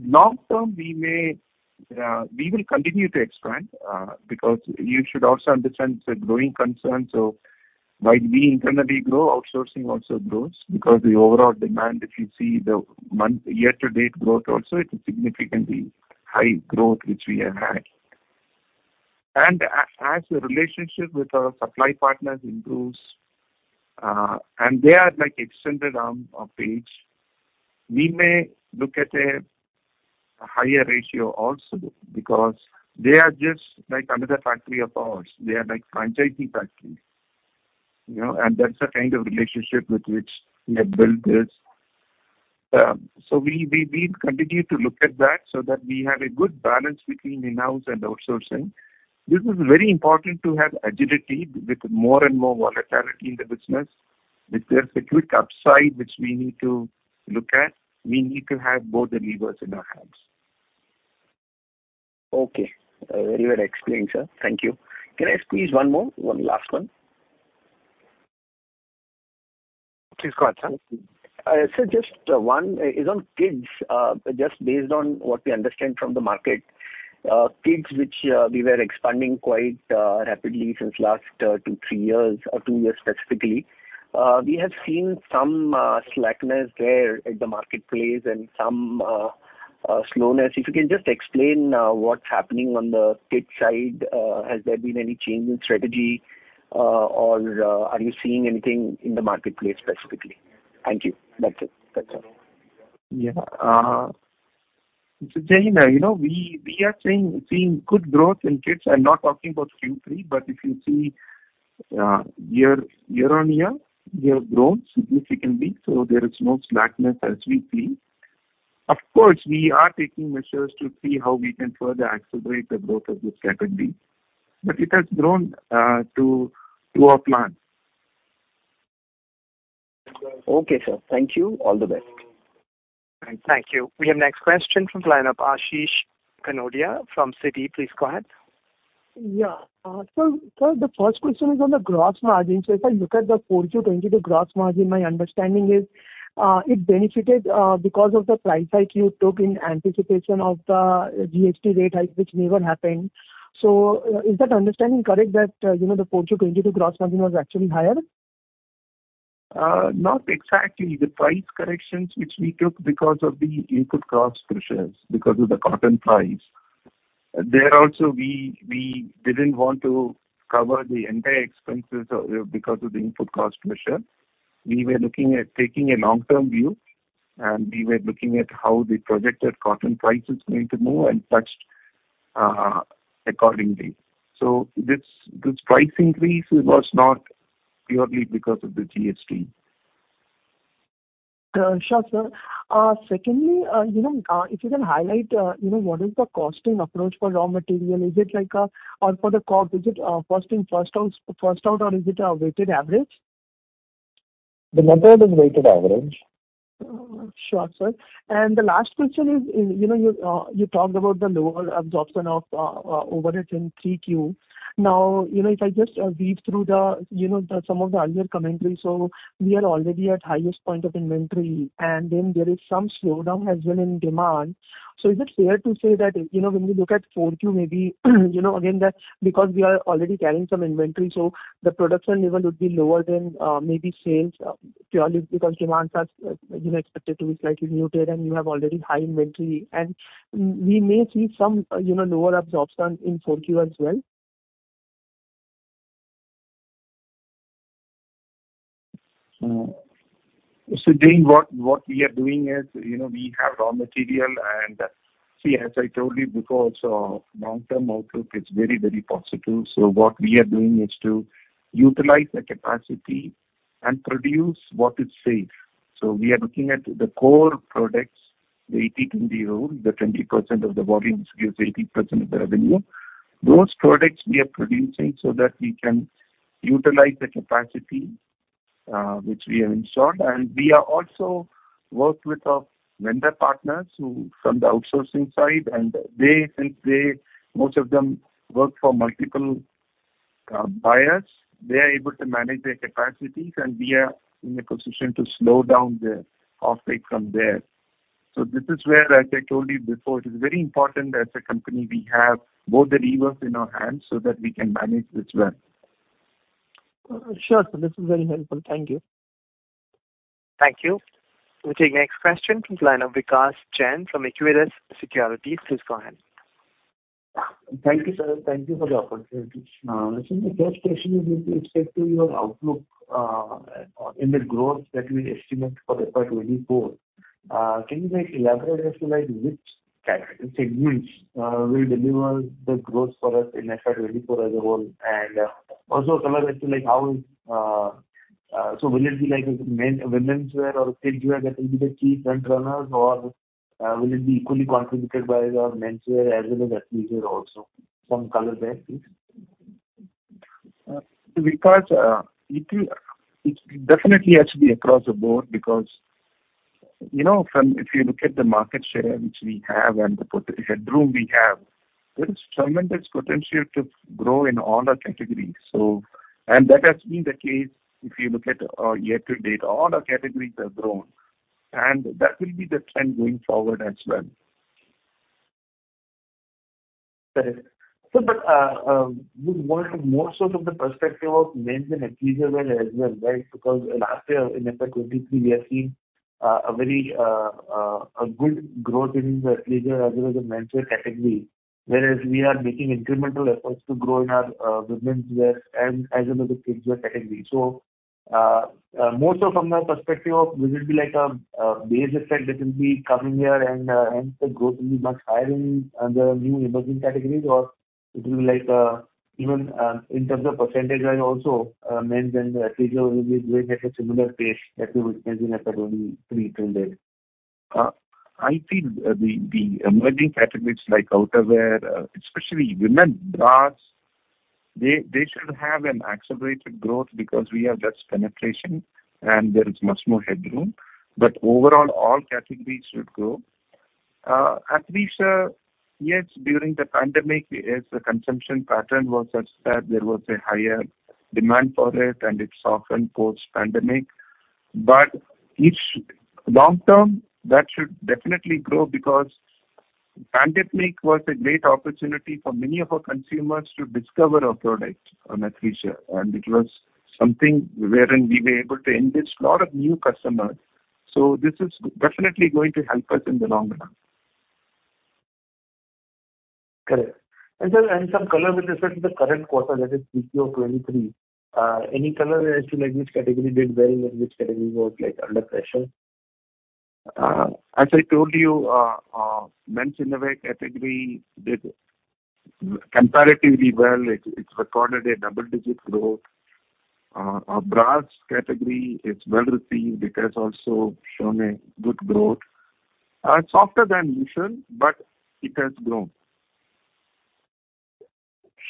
Long term we may we will continue to expand because you should also understand it's a growing concern. While we internally grow, outsourcing also grows because the overall demand, if you see the month, year-to-date growth also, it is significantly high growth which we have had. As the relationship with our supply partners improves, and they are like extended arm of Page, we may look at a higher ratio also because they are just like another factory of ours. They are like franchisee factories, you know. That's the kind of relationship with which we have built this. We continue to look at that so that we have a good balance between in-house and outsourcing. This is very important to have agility with more and more volatility in the business. If there's a quick upside which we need to look at, we need to have both the levers in our hands. Okay. Very well explained, sir. Thank you. Can I squeeze one more? One last one. Please go ahead, sir. Sir, just one is on kids. Just based on what we understand from the market, kids which we were expanding quite rapidly since last two, three years or two years specifically. We have seen some slackness there at the marketplace and some slowness. If you can just explain what's happening on the kids side. Has there been any change in strategy or are you seeing anything in the marketplace specifically? Thank you. That's it. That's all. Yeah. Jain, you know, we are seeing good growth in kids. I'm not talking about Q3, if you see year-on-year, we have grown significantly, there is no slackness as we see. Of course, we are taking measures to see how we can further accelerate the growth of this category. It has grown to our plan. Okay, sir. Thank you. All the best. Thank you. We have next question from lineup Ashish Kanodia from Citi. Please go ahead. Sir, the first question is on the gross margin. If I look at the 4Q 2022 gross margin, my understanding is, it benefited because of the price hike you took in anticipation of the GST rate hike which never happened. Is that understanding correct that, you know, the 4Q 2022 gross margin was actually higher? Not exactly. The price corrections which we took because of the input cost pressures, because of the cotton price. There also we didn't want to cover the entire expenses, because of the input cost pressure. We were looking at taking a long-term view, and we were looking at how the projected cotton price is going to move and priced accordingly. This, this price increase was not purely because of the GST. Sure, sir. Secondly, you know, if you can highlight, you know, what is the costing approach for raw material, or for the COGS, is it first in, first out or is it a weighted average? The method is weighted average. Sure, sir. The last question is, you know, you talked about the lower absorption of overhead in 3Q. Now, you know, if I just read through the, you know, the some of the earlier commentary, we are already at highest point of inventory, and then there is some slowdown as well in demand. Is it fair to say that, you know, when we look at 4Q maybe, you know, again that because we are already carrying some inventory, so the production level would be lower than maybe sales purely because demands are, you know, expected to be slightly muted and you have already high inventory, and we may see some, you know, lower absorption in 4Q as well? Again what we are doing is, you know, we have raw material and see, as I told you, because our long-term outlook is very, very positive. What we are doing is to utilize the capacity and produce what is safe. We are looking at the core products, the 80/20 rule, the 20% of the volumes gives 80% of the revenue. Those products we are producing so that we can utilize the capacity, which we have installed. We are also work with our vendor partners who from the outsourcing side, and they since they most of them work for multiple buyers, they are able to manage their capacities and we are in a position to slow down the off take from there. This is where, as I told you before, it is very important as a company we have both the levers in our hands so that we can manage this well. Sure. This is very helpful. Thank you. Thank you. We take next question from line of Vikas Jain from Equirus Securities. Please go ahead. Thank you, sir. Thank you for the opportunity. My first question is with respect to your outlook, in the growth that we estimate for FY 2024. Can you like elaborate as to like which category segments will deliver the growth for us in FY 2024 as a whole? Also, color as to like how will it be like men, womenswear or kidswear that will be the chief front runners, or will it be equally contributed by our menswear as well as athleisure also? Some color there, please. Because, it will, it definitely has to be across the board because, you know, from, if you look at the market share which we have and the potential headroom we have, there is tremendous potential to grow in all our categories. That has been the case if you look at, year-to-date, all our categories have grown, and that will be the trend going forward as well. We want more so from the perspective of men's and athleisure wear as well, right? Because last year in FY 2023 we have seen a very good growth in the athleisure as well as the menswear category, whereas we are making incremental efforts to grow in our womenswear and as well as the kidswear category. More so from the perspective of will it be like a base effect that will be coming here and hence the growth will be much higher in the new emerging categories or it will be like even in terms of % and also men's and athleisure will be growing at a similar pace that we were witnessing at the 2023 trend date? I think the emerging categories like outerwear, especially women bras, they should have an accelerated growth because we have less penetration and there is much more headroom. Overall, all categories should grow. Athleisure, yes, during the pandemic, as the consumption pattern was such that there was a higher demand for it and it softened post-pandemic. Long term, that should definitely grow because pandemic was a great opportunity for many of our consumers to discover our product on athleisure. It was something wherein we were able to enrich lot of new customers. This is definitely going to help us in the long run. Correct. Sir, and some color with respect to the current quarter, that is 3Q 23. Any color as to like which category did well and which category was, like, under pressure? As I told you, men's innerwear category did comparatively well. It's recorded a double-digit growth. Our bras category is well-received. It has also shown a good growth. Softer than usual, but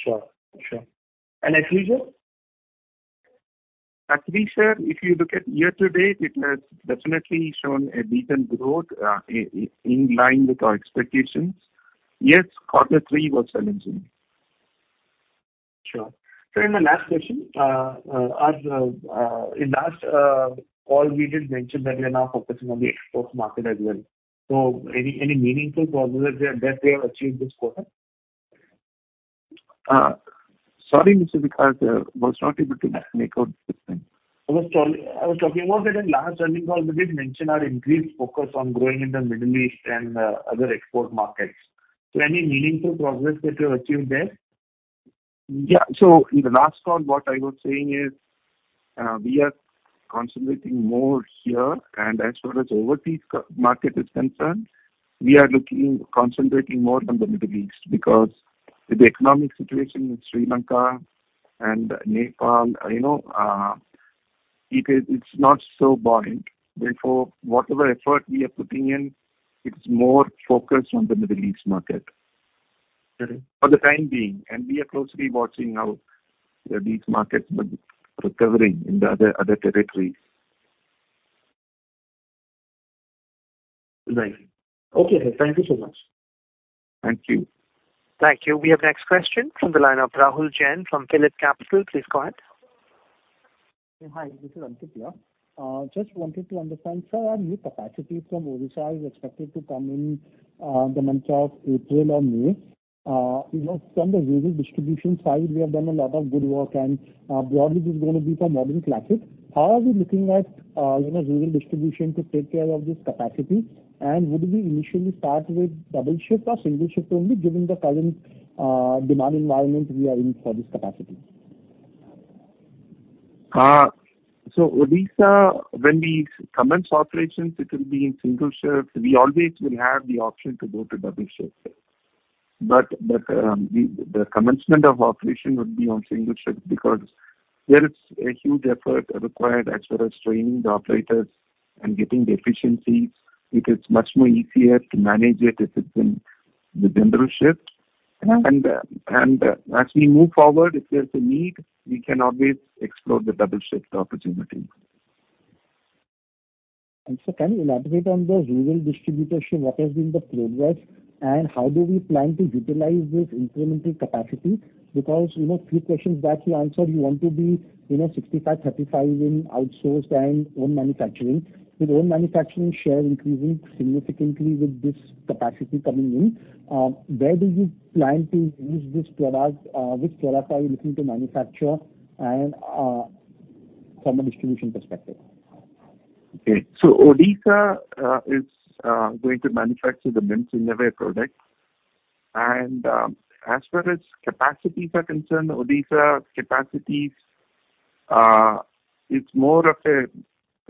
it has grown. Sure. Sure. athleisure? Athleisure, if you look at year-to-date, it has definitely shown a decent growth, in line with our expectations. Yes, quarter three was challenging. Sure. In the last question, in last call we did mention that we are now focusing on the export market as well. Any meaningful progress that we have achieved this quarter? Sorry, Mr. Vikas. Was not able to make out this time. I was talking about that in last earnings call we did mention our increased focus on growing in the Middle East and other export markets. Any meaningful progress that you have achieved there? Yeah. In the last call, what I was saying is, we are concentrating more here. As far as overseas co-market is concerned, we are looking concentrating more on the Middle East because with the economic situation in Sri Lanka and Nepal, you know, it is, it's not so buoyant. Therefore, whatever effort we are putting in, it's more focused on the Middle East market. Okay. For the time being, we are closely watching how these markets will be recovering in the other territories. Right. Okay, sir. Thank you so much. Thank you. Thank you. We have next question from the line of Rahul Jain from PhillipCapital. Please go ahead. Hi, this is Ankit here. Just wanted to understand, sir, our new capacity from Odisha is expected to come in the month of April or May. You know, from the rural distribution side, we have done a lot of good work, and broadly this is gonna be for Modern Classic. How are we looking at, you know, rural distribution to take care of this capacity? Would we initially start with double shift or single shift only given the current demand environment we are in for this capacity? Odisha, when we commence operations, it will be in single shift. We always will have the option to go to double shift there. The commencement of operation would be on single shift because there is a huge effort required as far as training the operators and getting the efficiencies. It is much more easier to manage it if it's in the general shift. Mm-hmm. As we move forward, if there's a need, we can always explore the double shift opportunity. Sir, can you elaborate on the rural distribution? What has been the progress and how do we plan to utilize this incremental capacity? Because, you know, few questions back you answered you want to be, you know, 65, 35 in outsourced and own manufacturing. With own manufacturing share increasing significantly with this capacity coming in, where do you plan to use this product? Which products are you looking to manufacture and, from a distribution perspective? Okay. Odisha is going to manufacture the men's innerwear product. As far as capacities are concerned, Odisha capacities, it's more of a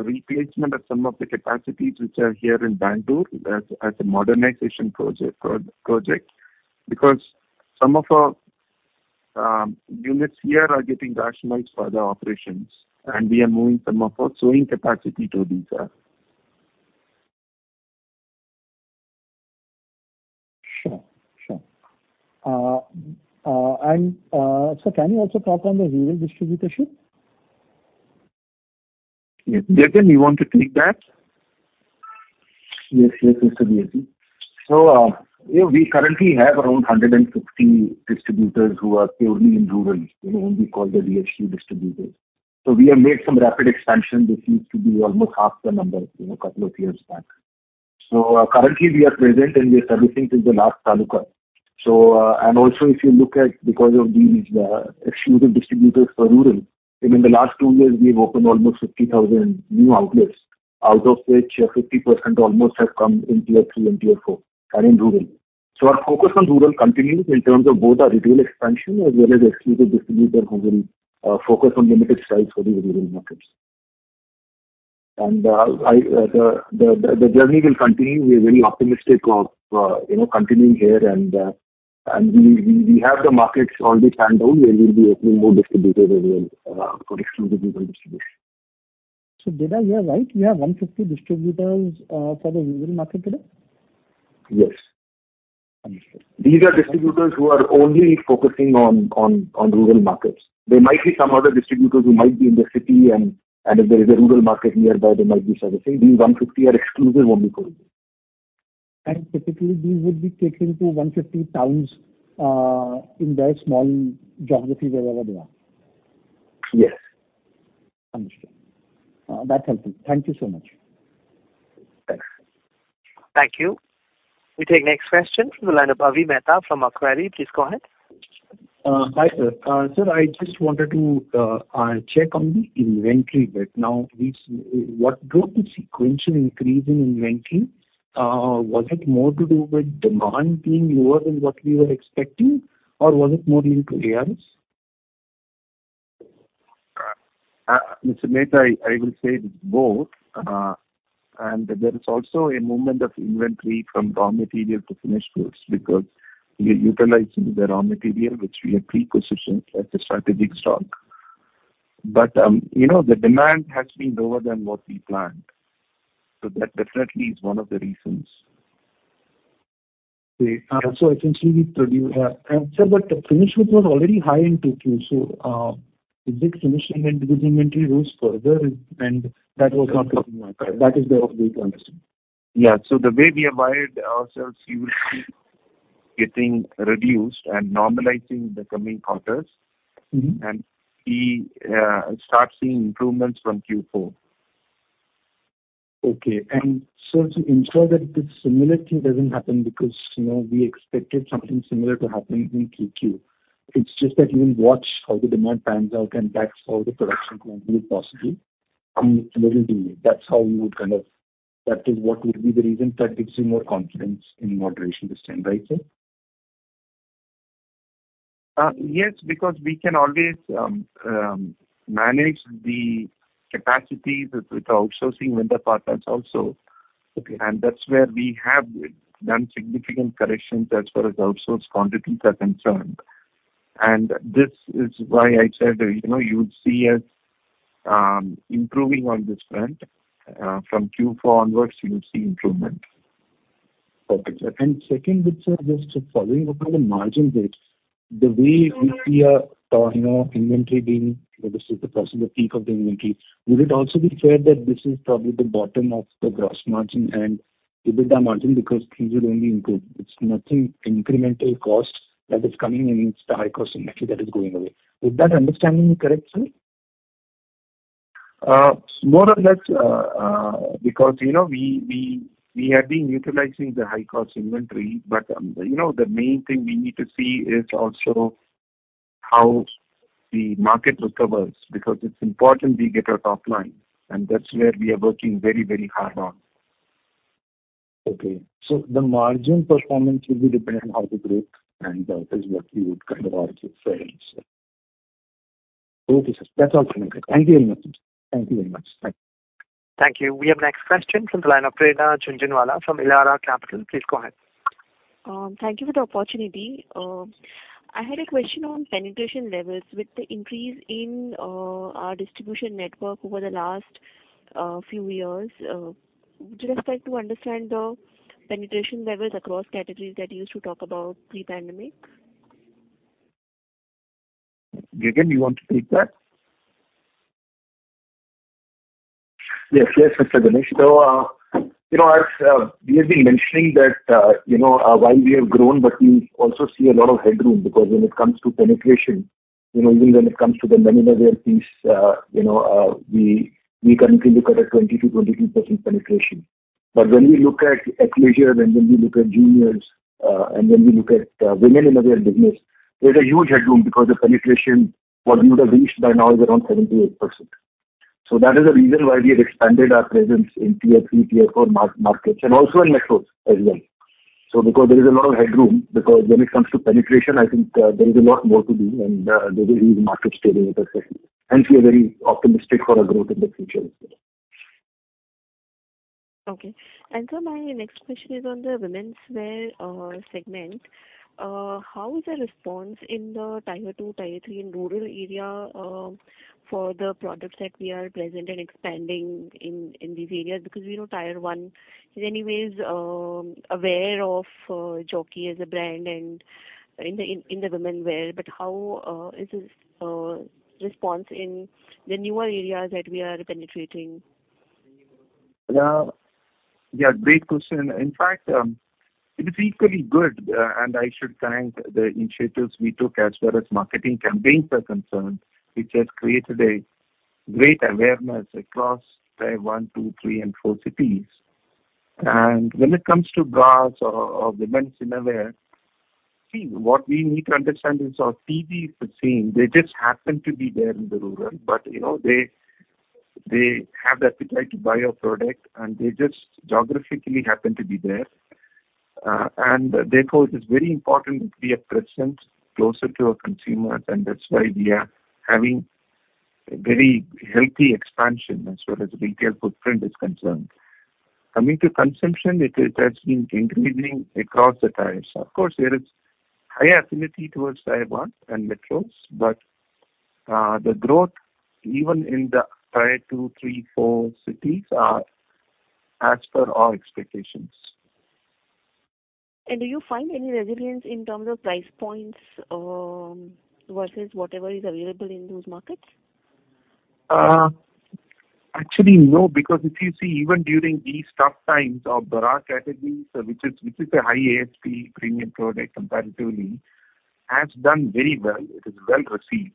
replacement of some of the capacities which are here in Bangalore as a modernization project. Some of our units here are getting rationalized for the operations, and we are moving some of our sewing capacity to Odisha. Sure. Sure. Sir, can you also talk on the rural distribution? Yes. Gagan, you want to take that? Yes. Yes, Mr. Vikas. Yeah, we currently have around 160 distributors who are purely in rural, you know, whom we call the RDHC distributors. We have made some rapid expansion. This used to be almost half the number, you know, couple of years back. Currently we are present and we are servicing till the last taluka. And also if you look at because of these exclusive distributors for rural, in the last two years we've opened almost 50,000 new outlets, out of which 50% almost have come in Tier 3 and Tier 4 and in rural. Our focus on rural continues in terms of both our retail expansion as well as exclusive distributor who will focus on limited styles for the rural markets. The journey will continue. We're very optimistic of, you know, continuing here and we have the markets already planned out where we'll be opening more distributors as well, for exclusive rural distribution. Did I hear right, you have 150 distributors, for the rural market today? Yes. Understood. These are distributors who are only focusing on rural markets. There might be some other distributors who might be in the city and if there is a rural market nearby, they might be servicing. These 150 are exclusive only for rural. Typically these would be catering to 150 towns, in their small geography wherever they are. Yes. Understood. That's helpful. Thank you so much. Thanks. Thank you. We take next question from the line of Avi Mehta from Macquarie. Please go ahead. Hi, sir. Sir, I just wanted to check on the inventory bit. Now, what drove the sequential increase in inventory? Was it more to do with demand being lower than what we were expecting or was it more linked to ARS? Mr. Mehta, I will say it's both. There is also a movement of inventory from raw material to finished goods because we're utilizing the raw material which we had pre-positioned as a strategic stock. You know, the demand has been lower than what we planned, so that definitely is one of the reasons. Okay. Essentially sir, but the finished goods was already high in 2Q. Did the finished inventory, this inventory rose further? And that is the update I'm assuming. Yeah. The way we abide ourselves, you will see getting reduced and normalizing the coming quarters. Mm-hmm. We start seeing improvements from Q4. Okay. To ensure that this similar thing doesn't happen because, you know, we expected something similar to happen in Q2, it's just that you will watch how the demand pans out and that's how the production going to be possibly. Related to you, that's how you would. That is what would be the reason that gives you more confidence in moderation this time, right, sir? Yes, because we can always manage the capacities with outsourcing vendor partners also. Okay. That's where we have done significant corrections as far as outsource quantities are concerned. This is why I said that, you know, you would see us improving on this front. From Q4 onwards you will see improvement. Okay, sir. Second bit, sir, just following up on the margin bits. The way we see a, you know, inventory being, let us say the possible peak of the inventory, would it also be fair that this is probably the bottom of the gross margin and EBITDA margin because things will only improve? It's nothing incremental cost that is coming in, it's the high cost inventory that is going away. Is that understanding correct, sir? More or less, because, you know, we have been utilizing the high-cost inventory. You know, the main thing we need to see is also how the market recovers because it's important we get our top line, and that's where we are working very, very hard on. Okay. The margin performance will be dependent on how the growth and is what we would kind of argue for. Okay, sir. That's all from my side. Thank you very much, sir. Thank you very much. Bye. Thank you. We have next question from the line of Prerna Jhunjhunwala from Elara Capital. Please go ahead. Thank you for the opportunity. I had a question on penetration levels. With the increase in our distribution network over the last few years, would you just like to understand the penetration levels across categories that you used to talk about pre-pandemic? Gagan, you want to take that? Yes. Yes, Mr. Ganesh. You know, as, we have been mentioning that, you know, while we have grown but we also see a lot of headroom. Because when it comes to penetration, you know, even when it comes to the lingerie wear piece, you know, we currently look at a 20%-22% penetration. When we look at athleisure and when we look at juniors, and when we look at women lingerie business, there's a huge headroom because the penetration what we would have reached by now is around 78%. That is the reason why we have expanded our presence in Tier 3, Tier 4 markets and also in metros as well. Because there is a lot of headroom, because when it comes to penetration, I think, there is a lot more to do and, there is market still with us, hence we are very optimistic for our growth in the future as well. Okay. Sir, my next question is on the womenswear segment. How is the response in the Tier 2, Tier 3 in rural area for the products that we are present and expanding in these areas? We know Tier 1 is anyways aware of Jockey as a brand and in the womenswear. How is this response in the newer areas that we are penetrating? Yeah, great question. In fact, it is equally good, and I should thank the initiatives we took as far as marketing campaigns are concerned, which has created a great awareness across Tier 1, 2, 3 and 4 cities. When it comes to bras or women's innerwear, see, what we need to understand is our TV is the same. They just happen to be there in the rural, but you know, they have the appetite to buy our product and they just geographically happen to be there. Therefore it is very important we are present closer to our consumers, and that's why we are having a very healthy expansion as far as retail footprint is concerned. Coming to consumption, it has been increasing across the tiers. Of course, there is higher affinity towards Tier 1 and metros, but the growth even in the Tier 2, 3, 4 cities are as per our expectations. Do you find any resilience in terms of price points, versus whatever is available in those markets? Actually, no. If you see even during these tough times our bras category, which is a high ASP premium product comparatively, has done very well. It is well received.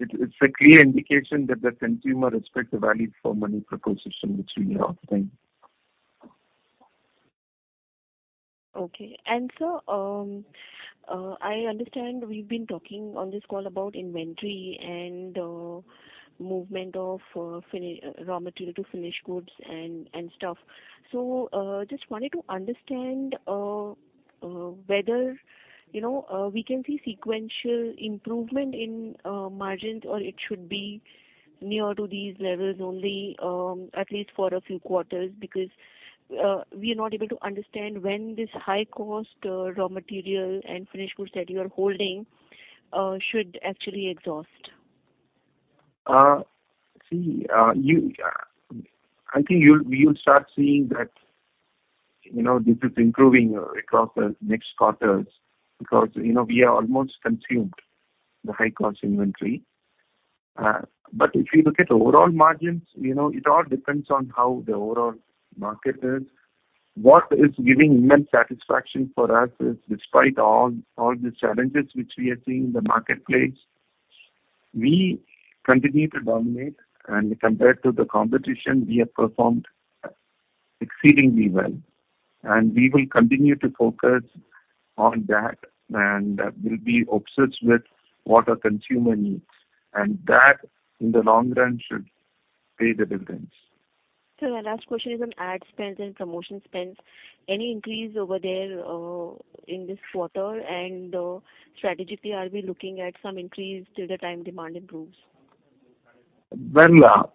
It's a clear indication that the consumer respects the value for money proposition which we are offering. Okay. Sir, I understand we've been talking on this call about inventory and movement of raw material to finished goods and stuff. Just wanted to understand whether, you know, we can see sequential improvement in margins or it should be near to these levels only, at least for a few quarters because we are not able to understand when this high-cost raw material and finished goods that you are holding should actually exhaust. I think we'll start seeing that, you know, this is improving across the next quarters because, you know, we have almost consumed the high-cost inventory. If you look at overall margins, you know, it all depends on how the overall market is. What is giving immense satisfaction for us is despite all the challenges which we are seeing in the marketplace, we continue to dominate. Compared to the competition, we have performed exceedingly well. We will continue to focus on that, and we'll be obsessed with what our consumer needs. That, in the long run, should pay the dividends. My last question is on ad spends and promotion spends. Any increase over there, in this quarter? Strategically, are we looking at some increase till the time demand improves? Well,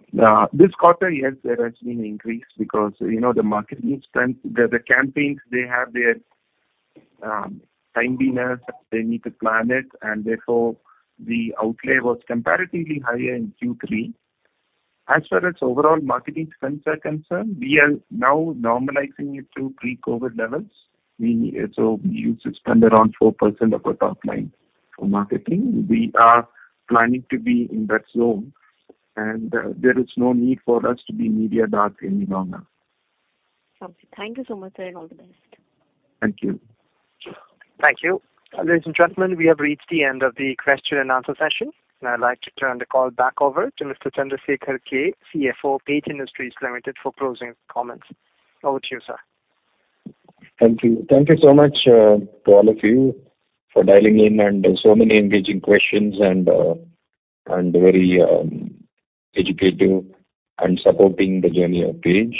this quarter, yes, there has been increase because, you know, the market needs spend. The campaigns, they have their timeliness. They need to plan it and therefore the outlay was comparatively higher in Q3. As far as overall marketing spends are concerned, we are now normalizing it to pre-COVID levels. We used to spend around 4% of our top line for marketing. We are planning to be in that zone, and there is no need for us to be media dark any longer. Sounds good. Thank you so much, sir, and all the best. Thank you. Thank you. Ladies and gentlemen, we have reached the end of the question-and-answer session, and I'd like to turn the call back over to Mr. Chandrasekar K, CFO, Page Industries Limited, for closing comments. Over to you, sir. Thank you. Thank you so much, to all of you for dialing in and so many engaging questions and very educative and supporting the journey of Page.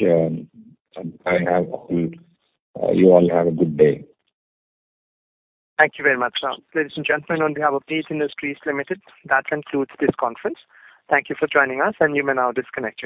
You all have a good day. Thank you very much, sir. Ladies and gentlemen, on behalf of Page Industries Limited, that concludes this conference. Thank you for joining us, and you may now disconnect your lines.